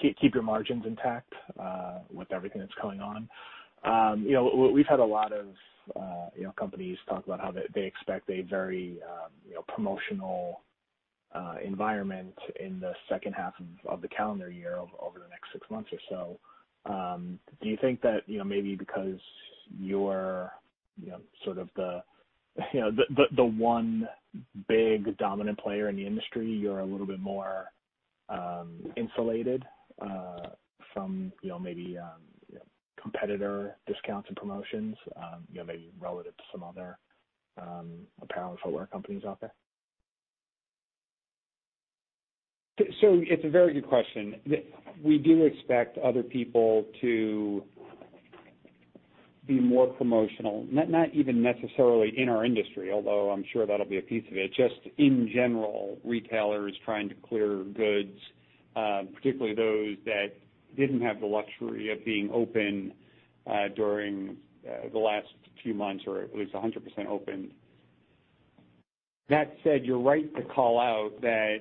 keep your margins intact with everything that's going on. We've had a lot of companies talk about how they expect a very promotional environment in the second half of the calendar year, over the next six months or so. Do you think that, maybe because you're the one big dominant player in the industry, you're a little bit more insulated from maybe competitor discounts and promotions maybe relative to some other apparel and footwear companies out there? It's a very good question. We do expect other people to be more promotional. Not even necessarily in our industry, although I'm sure that'll be a piece of it, just in general, retailers trying to clear goods, particularly those that didn't have the luxury of being open during the last few months, or at least 100% open. That said, you're right to call out that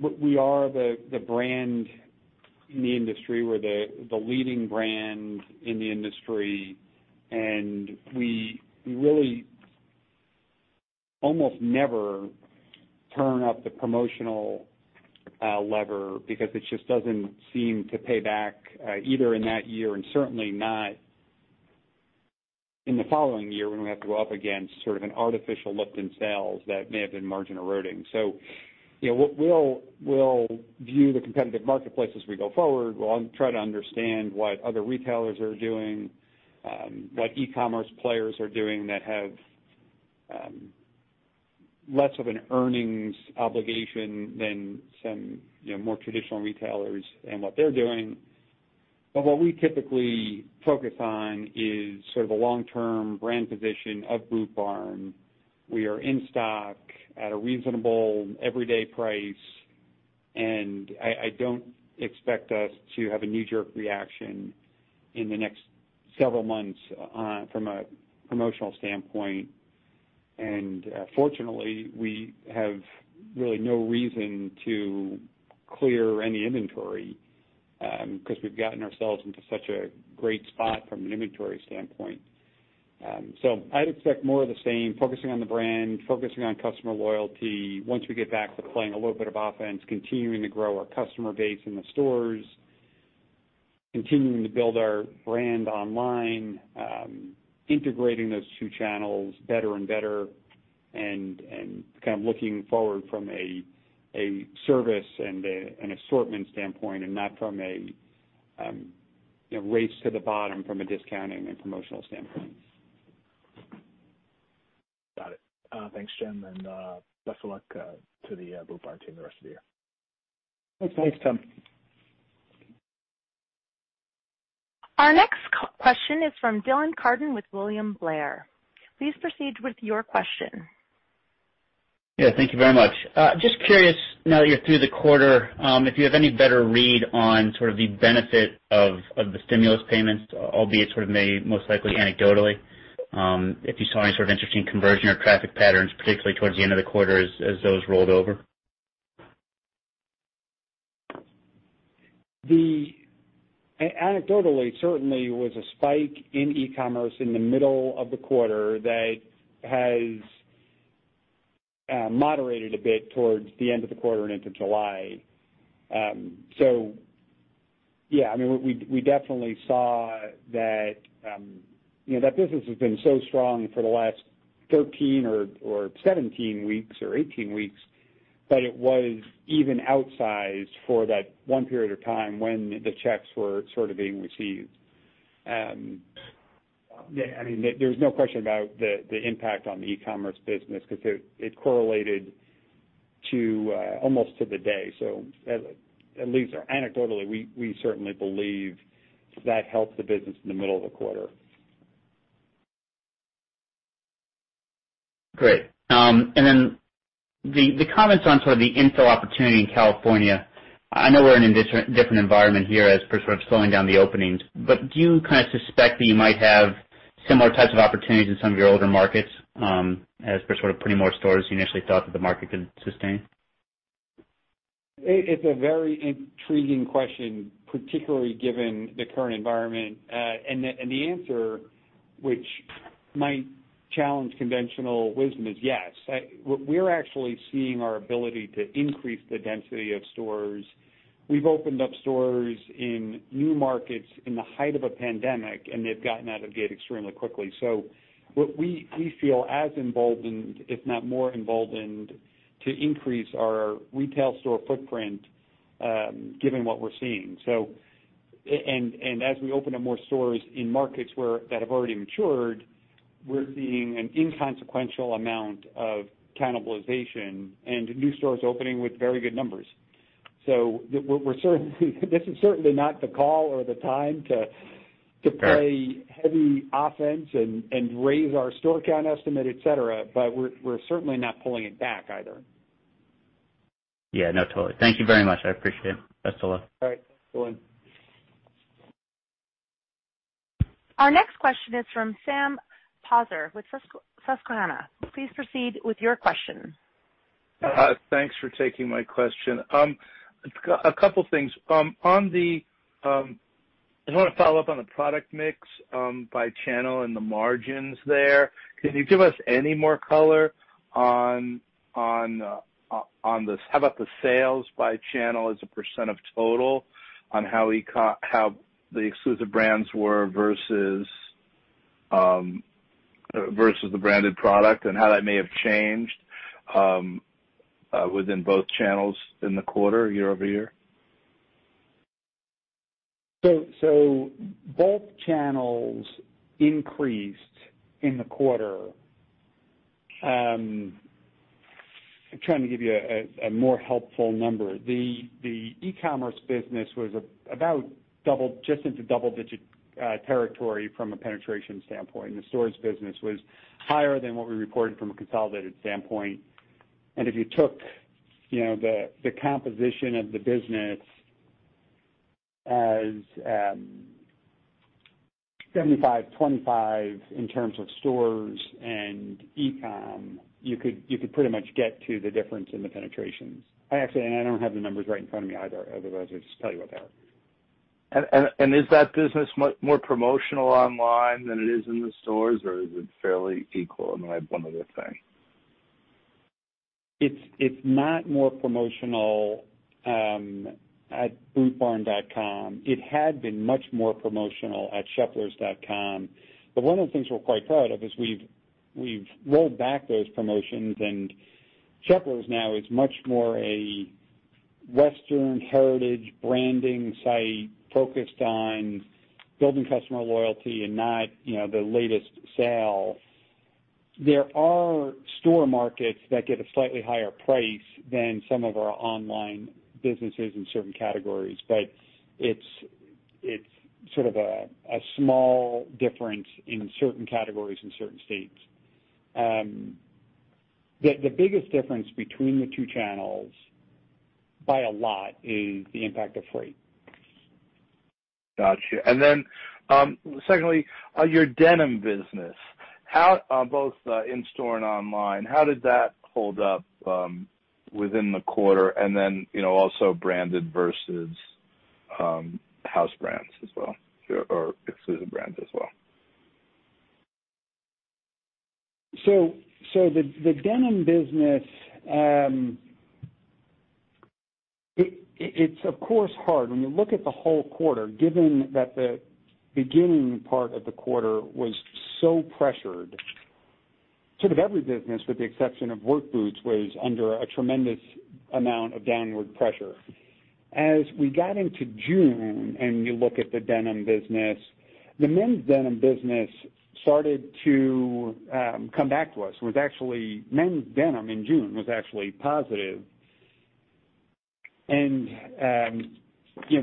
we are the brand in the industry. We're the leading brand in the industry, and we really almost never turn up the promotional lever because it just doesn't seem to pay back, either in that year and certainly not in the following year when we have to go up against sort of an artificial lift in sales that may have been margin eroding. We'll view the competitive marketplace as we go forward. We'll try to understand what other retailers are doing, what e-commerce players are doing that have less of an earnings obligation than some more traditional retailers and what they're doing. What we typically focus on is sort of a long-term brand position of Boot Barn. We are in stock at a reasonable everyday price, and I don't expect us to have a knee-jerk reaction in the next several months from a promotional standpoint. Fortunately, we have really no reason to clear any inventory, because we've gotten ourselves into such a great spot from an inventory standpoint. I'd expect more of the same, focusing on the brand, focusing on customer loyalty. Once we get back to playing a little bit of offense, continuing to grow our customer base in the stores, continuing to build our brand online, integrating those two channels better and better and looking forward from a service and an assortment standpoint, and not from a race to the bottom from a discounting and promotional standpoint. Got it. Thanks, Jim, and best of luck to the Boot Barn team the rest of the year. Thanks. Thanks, Tom. Our next question is from Dylan Carden with William Blair. Please proceed with your question. Yeah, thank you very much. Just curious, now that you're through the quarter, if you have any better read on sort of the benefit of the stimulus payments, albeit sort of maybe most likely anecdotally, if you saw any sort of interesting conversion or traffic patterns, particularly towards the end of the quarter as those rolled over? Anecdotally, certainly was a spike in e-commerce in the middle of the quarter that has moderated a bit towards the end of the quarter and into July. Yeah, we definitely saw that that business has been so strong for the last 13 or 17 weeks or 18 weeks, that it was even outsized for that one period of time when the checks were sort of being received. There's no question about the impact on the e-commerce business, because it correlated almost to the day. At least anecdotally, we certainly believe that helped the business in the middle of the quarter. Great. The comments on sort of the infill opportunity in California, I know we're in a different environment here as per sort of slowing down the openings, but do you kind of suspect that you might have similar types of opportunities in some of your older markets as per sort of putting more stores you initially thought that the market could sustain? It's a very intriguing question, particularly given the current environment. The answer, which might challenge conventional wisdom, is yes. We're actually seeing our ability to increase the density of stores. We've opened up stores in new markets in the height of a pandemic, and they've gotten out of gate extremely quickly. What we feel as emboldened, if not more emboldened, to increase our retail store footprint, given what we're seeing. As we open up more stores in markets that have already matured, we're seeing an inconsequential amount of cannibalization and new stores opening with very good numbers. This is certainly not the call or the time to- Got it. play heavy offense and raise our store count estimate, et cetera, but we're certainly not pulling it back either. Yeah, no, totally. Thank you very much. I appreciate it. Best of luck. All right. Dylan. Our next question is from Sam Poser with Susquehanna. Please proceed with your question. Thanks for taking my question. A couple things. I want to follow up on the product mix by channel and the margins there. Can you give us any more color on this? How about the sales by channel as a % of total on how the exclusive brands were versus the branded product and how that may have changed within both channels in the quarter year-over-year? Both channels increased in the quarter. I'm trying to give you a more helpful number. The e-commerce business was about just into double-digit territory from a penetration standpoint, and the stores business was higher than what we reported from a consolidated standpoint. If you took the composition of the business as 75, 25 in terms of stores and e-com, you could pretty much get to the difference in the penetrations. Actually, I don't have the numbers right in front of me either, otherwise, I'd just tell you what they are. Is that business more promotional online than it is in the stores, or is it fairly equal? Then I have one other thing. It's not more promotional at bootbarn.com. It had been much more promotional at sheplers.com. One of the things we're quite proud of is we've rolled back those promotions, and Sheplers now is much more a Western heritage branding site focused on building customer loyalty and not the latest sale. There are store markets that get a slightly higher price than some of our online businesses in certain categories, but it's sort of a small difference in certain categories in certain states. The biggest difference between the two channels, by a lot, is the impact of freight. Got you. Secondly, your denim business, both in-store and online, how did that hold up within the quarter? Also branded versus house brands as well, or exclusive brands as well? The denim business, it's of course hard. When you look at the whole quarter, given that the beginning part of the quarter was so pressured, sort of every business, with the exception of work boots, was under a tremendous amount of downward pressure. As we got into June, and you look at the denim business, the men's denim business started to come back to us. Men's denim in June was actually positive.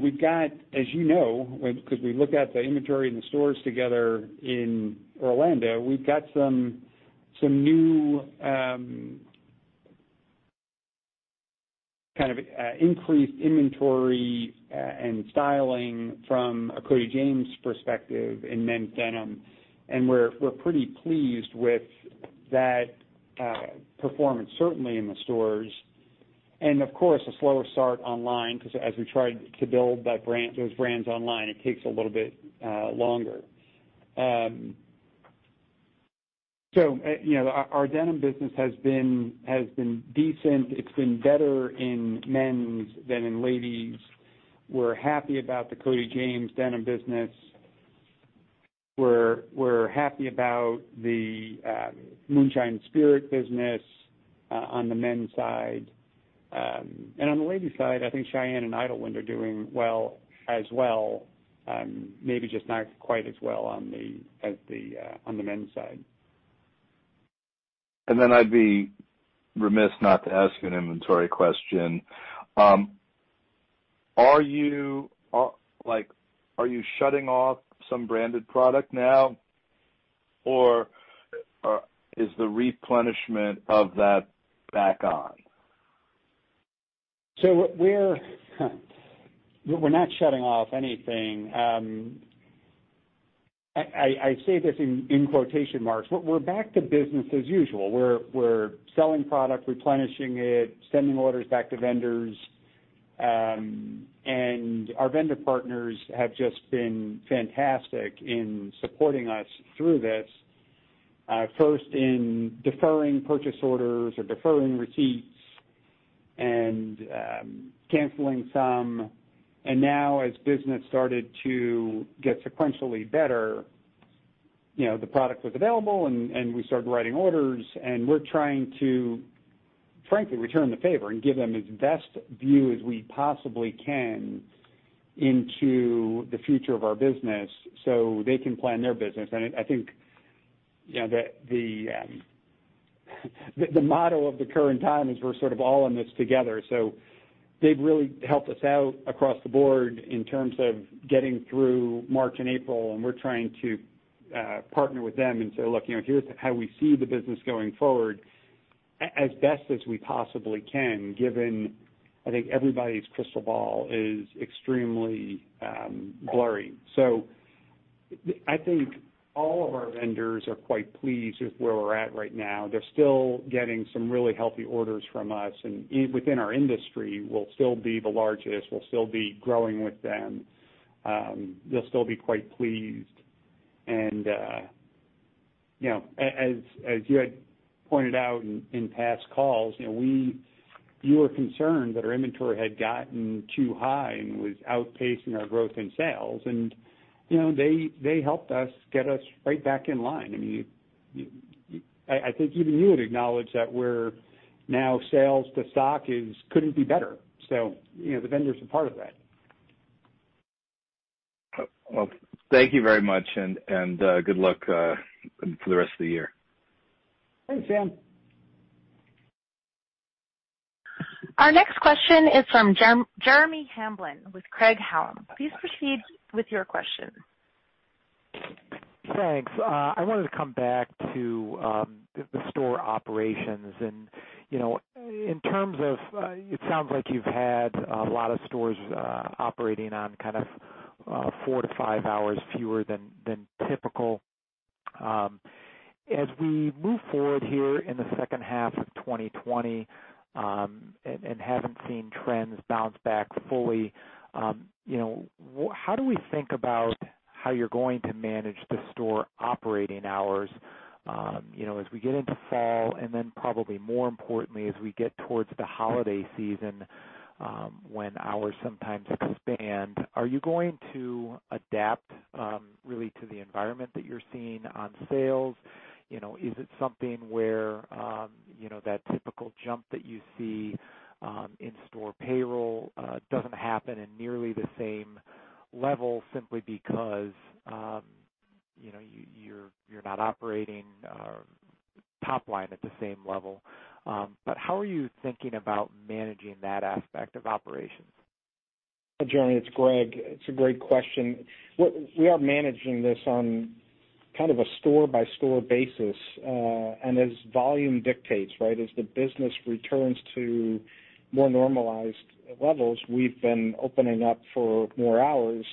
We've got, as you know, because we looked at the inventory in the stores together in Orlando, we've got some new kind of increased inventory and styling from a Cody James perspective in men's denim, and we're pretty pleased with that performance, certainly in the stores. Of course, a slower start online, because as we tried to build those brands online, it takes a little bit longer. Our denim business has been decent. It's been better in men's than in ladies. We're happy about the Cody James denim business. We're happy about the Moonshine Spirit business on the men's side. On the ladies' side, I think Shyanne and Idyllwind are doing well as well, maybe just not quite as well on the men's side. I'd be remiss not to ask an inventory question. Are you shutting off some branded product now, or is the replenishment of that back on? We're not shutting off anything. I say this in quotation marks, but we're back to business as usual. We're selling product, replenishing it, sending orders back to vendors. Our vendor partners have just been fantastic in supporting us through this. First in deferring purchase orders or deferring receipts and canceling some. Now, as business started to get sequentially better, the product was available, and we started writing orders, and we're trying to frankly return the favor and give them as best view as we possibly can into the future of our business so they can plan their business. I think the motto of the current time is we're sort of all in this together. They've really helped us out across the board in terms of getting through March and April, and we're trying to partner with them and say, "Look, here's how we see the business going forward," as best as we possibly can, given, I think everybody's crystal ball is extremely blurry. I think all of our vendors are quite pleased with where we're at right now. They're still getting some really healthy orders from us, and within our industry, we'll still be the largest, we'll still be growing with them. They'll still be quite pleased. As you had pointed out in past calls, you were concerned that our inventory had gotten too high and was outpacing our growth in sales, and they helped us get us right back in line. I think even you had acknowledged that now sales to stock couldn't be better. The vendors are part of that. Well, thank you very much, and good luck for the rest of the year. Thanks, Sam. Our next question is from Jeremy Hamblin with Craig-Hallum. Please proceed with your question. Thanks. I wanted to come back to the store operations. In terms of, it sounds like you've had a lot of stores operating on kind of four to five hours fewer than typical. As we move forward here in the second half of 2020, and haven't seen trends bounce back fully, how do we think about how you're going to manage the store operating hours as we get into fall, and then probably more importantly, as we get towards the holiday season, when hours sometimes expand. Are you going to adapt, really, to the environment that you're seeing on sales? Is it something where that typical jump that you see in store payroll doesn't happen in nearly the same level, simply because you're not operating top line at the same level? How are you thinking about managing that aspect of operations? Jeremy, it's Greg. It's a great question. We are managing this on kind of a store-by-store basis. As volume dictates, as the business returns to more normalized levels, we've been opening up for more hours.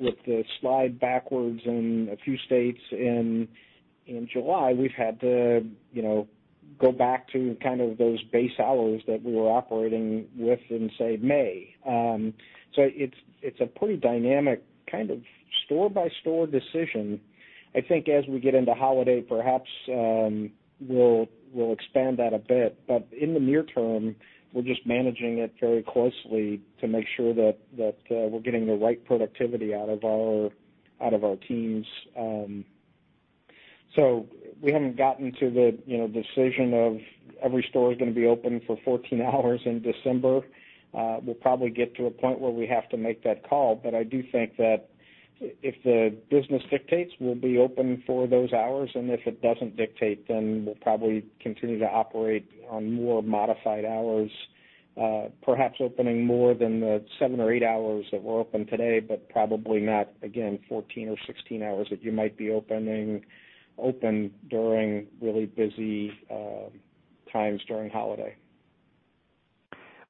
With the slide backwards in a few states in July, we've had to go back to those base hours that we were operating with in, say, May. It's a pretty dynamic kind of store-by-store decision. I think as we get into holiday, perhaps we'll expand that a bit. In the near term, we're just managing it very closely to make sure that we're getting the right productivity out of our teams. We haven't gotten to the decision of every store is going to be open for 14 hours in December. We'll probably get to a point where we have to make that call. I do think that if the business dictates, we'll be open for those hours, and if it doesn't dictate, then we'll probably continue to operate on more modified hours. Perhaps opening more than the seven or eight hours that we're open today, but probably not, again, 14 or 16 hours that you might be open during really busy times during holiday.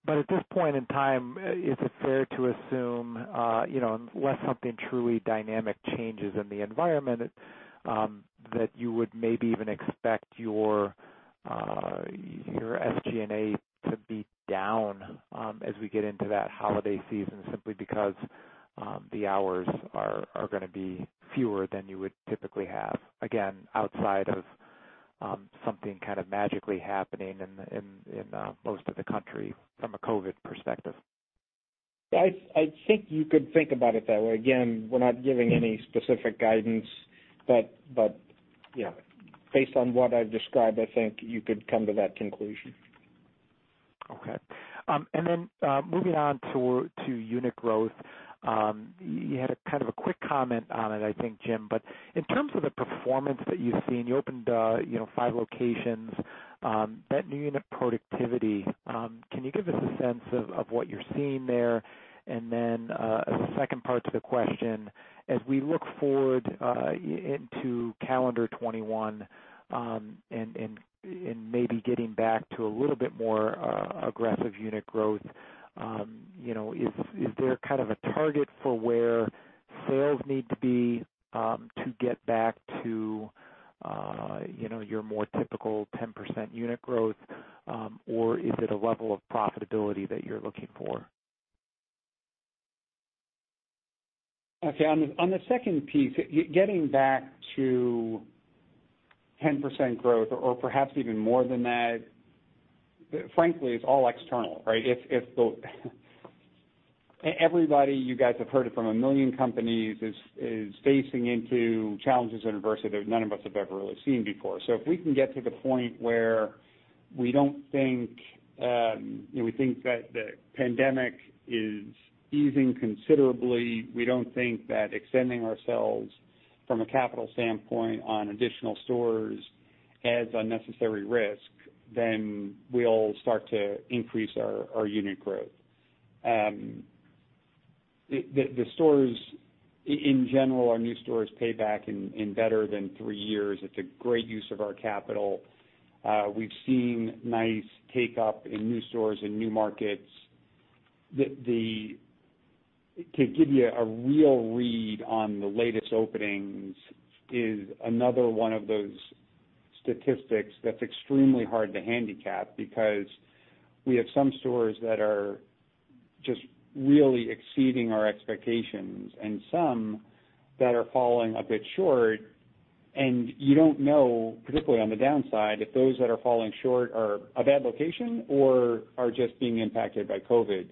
At this point in time, is it fair to assume, unless something truly dynamic changes in the environment, that you would maybe even expect your SG&A to be down as we get into that holiday season, simply because the hours are going to be fewer than you would typically have, again, outside of something kind of magically happening in most of the country from a COVID perspective? I think you could think about it that way. Again, we're not giving any specific guidance. Based on what I've described, I think you could come to that conclusion. Okay. Moving on to unit growth. You had a kind of a quick comment on it, I think, Jim. In terms of the performance that you've seen, you opened five locations. That new unit productivity, can you give us a sense of what you're seeing there? As a second part to the question, as we look forward into calendar 2021, and maybe getting back to a little bit more aggressive unit growth, is there kind of a target for where sales need to be to get back to your more typical 10% unit growth? Is it a level of profitability that you're looking for? Okay. On the second piece, getting back to 10% growth or perhaps even more than that, frankly, it's all external, right? Everybody, you guys have heard it from a million companies, is facing into challenges and adversity that none of us have ever really seen before. If we can get to the point where we think that the pandemic is easing considerably, we don't think that extending ourselves from a capital standpoint on additional stores adds unnecessary risk, then we'll start to increase our unit growth. The stores, in general, our new stores pay back in better than three years. It's a great use of our capital. We've seen nice take up in new stores and new markets. To give you a real read on the latest openings is another one of those statistics that's extremely hard to handicap because we have some stores that are just really exceeding our expectations and some that are falling a bit short. You don't know, particularly on the downside, if those that are falling short are a bad location or are just being impacted by COVID.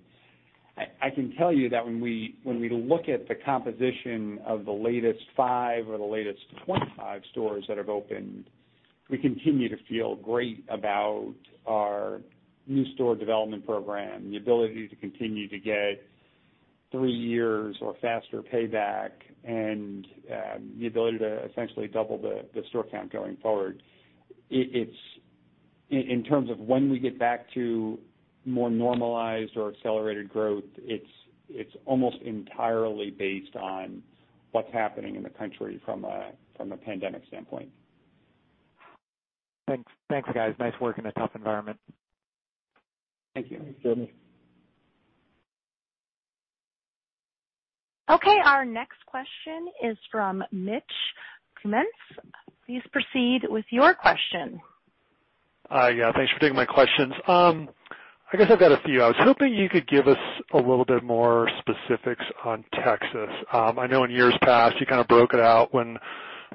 I can tell you that when we look at the composition of the latest five or the latest 25 stores that have opened, we continue to feel great about our new store development program, the ability to continue to get three years or faster payback, and the ability to essentially double the store count going forward. In terms of when we get back to more normalized or accelerated growth, it's almost entirely based on what's happening in the country from a pandemic standpoint. Thanks, guys. Nice work in a tough environment. Thank you. Thanks, Jeremy. Okay, our next question is from Mitch Kummetz. Please proceed with your question. Yeah, thanks for taking my questions. I guess I've got a few. I was hoping you could give us a little bit more specifics on Texas. I know in years past, you kind of broke it out when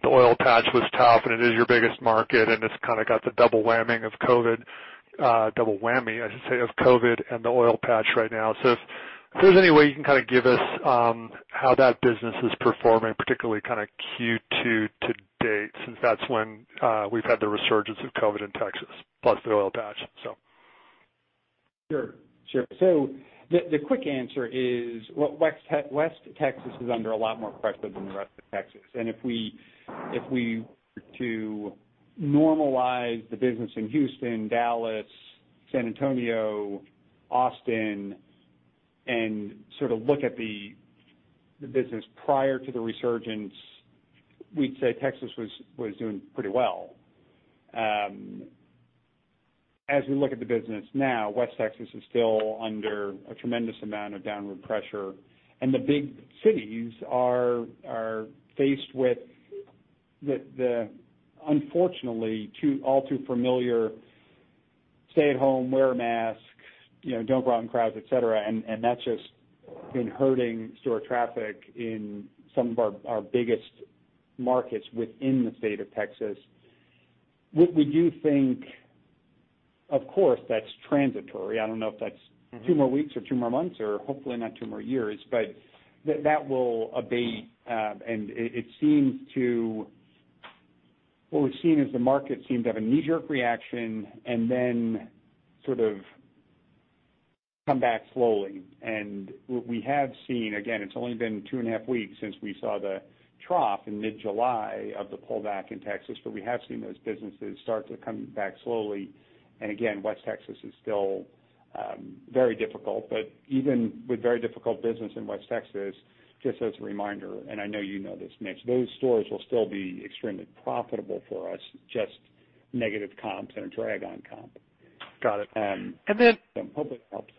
the oil patch was tough, and it is your biggest market, and it's kind of got the double whammy, I should say, of COVID and the oil patch right now. If there's any way you can kind of give us how that business is performing, particularly Q2 to date, since that's when we've had the resurgence of COVID in Texas, plus the oil patch. Sure. The quick answer is, well, West Texas is under a lot more pressure than the rest of Texas. If we were to normalize the business in Houston, Dallas, San Antonio, Austin. Sort of look at the business prior to the resurgence, we'd say Texas was doing pretty well. As we look at the business now, West Texas is still under a tremendous amount of downward pressure, and the big cities are faced with the, unfortunately, all too familiar stay at home, wear a mask, don't crowd in crowds, et cetera. That's just been hurting store traffic in some of our biggest markets within the state of Texas. We do think, of course, that's transitory. I don't know if that's two more weeks or two more months or hopefully not two more years, but that will abate. What we've seen is the market seemed to have a knee-jerk reaction and then sort of come back slowly. What we have seen, again, it's only been two and a half weeks since we saw the trough in mid-July of the pullback in Texas, but we have seen those businesses start to come back slowly. Again, West Texas is still very difficult, but even with very difficult business in West Texas, just as a reminder, and I know you know this, Mitch, those stores will still be extremely profitable for us, just negative comps and a drag on comp. Got it. Hopefully it helps.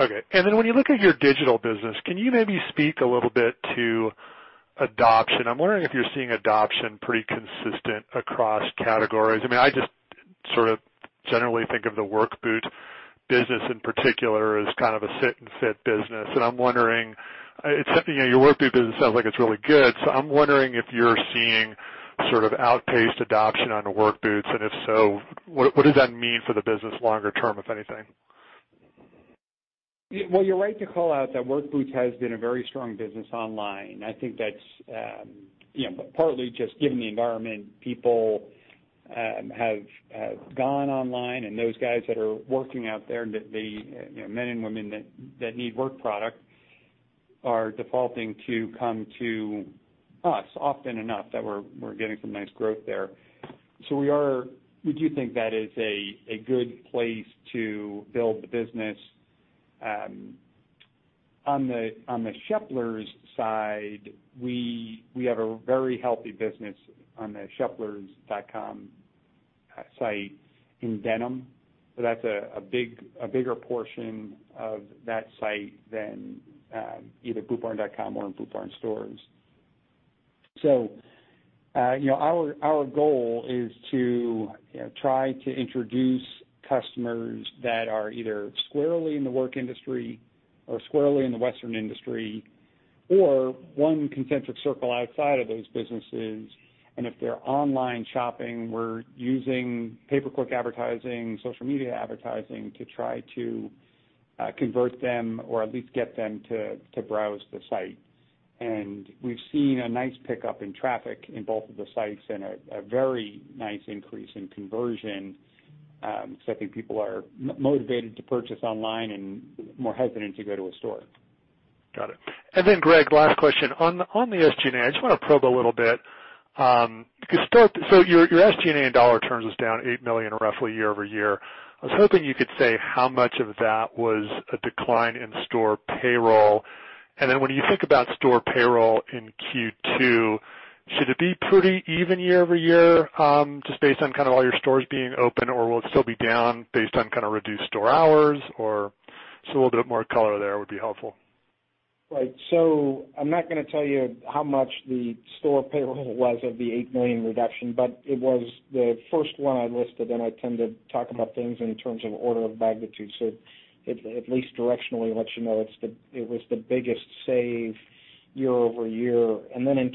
Okay. When you look at your digital business, can you maybe speak a little bit to adoption? I'm wondering if you're seeing adoption pretty consistent across categories. I just sort of generally think of the work boot business in particular as kind of a sit and fit business. I'm wondering, your work boot business sounds like it's really good. I'm wondering if you're seeing sort of outpaced adoption on work boots, and if so, what does that mean for the business longer term, if anything? Well, you're right to call out that work boots has been a very strong business online. I think that's partly just given the environment, people have gone online and those guys that are working out there, the men and women that need work product are defaulting to come to us often enough that we're getting some nice growth there. We do think that is a good place to build the business. On the Sheplers side, we have a very healthy business on the sheplers.com site in denim. That's a bigger portion of that site than either bootbarn.com or in Boot Barn stores. Our goal is to try to introduce customers that are either squarely in the work industry or squarely in the Western industry, or one concentric circle outside of those businesses. If they're online shopping, we're using pay-per-click advertising, social media advertising to try to convert them or at least get them to browse the site. We've seen a nice pickup in traffic in both of the sites and a very nice increase in conversion. I think people are motivated to purchase online and more hesitant to go to a store. Got it. Greg, last question. On the SG&A, I just want to probe a little bit. Your SG&A in dollar terms is down $8 million roughly year-over-year. I was hoping you could say how much of that was a decline in store payroll. When you think about store payroll in Q2, should it be pretty even year-over-year, just based on kind of all your stores being open, or will it still be down based on kind of reduced store hours or just a little bit more color there would be helpful. Right. I'm not going to tell you how much the store payroll was of the $8 million reduction, but it was the first one I listed, and I tend to talk about things in terms of order of magnitude. In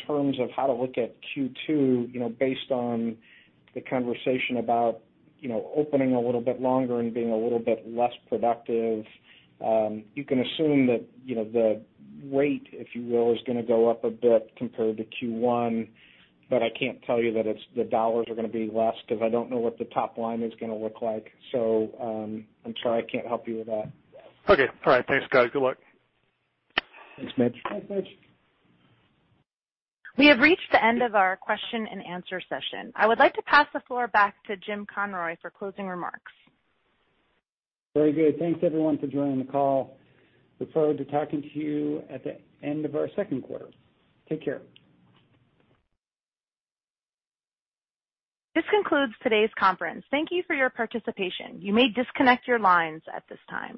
terms of how to look at Q2, based on the conversation about opening a little bit longer and being a little bit less productive, you can assume that the rate, if you will, is going to go up a bit compared to Q1. I can't tell you that the dollars are going to be less because I don't know what the top line is going to look like. I'm sorry, I can't help you with that. Okay. All right. Thanks, guys. Good luck. Thanks, Mitch. Thanks, Mitch. We have reached the end of our question and answer session. I would like to pass the floor back to Jim Conroy for closing remarks. Very good. Thanks, everyone, for joining the call. Look forward to talking to you at the end of our second quarter. Take care. This concludes today's conference. Thank you for your participation. You may disconnect your lines at this time.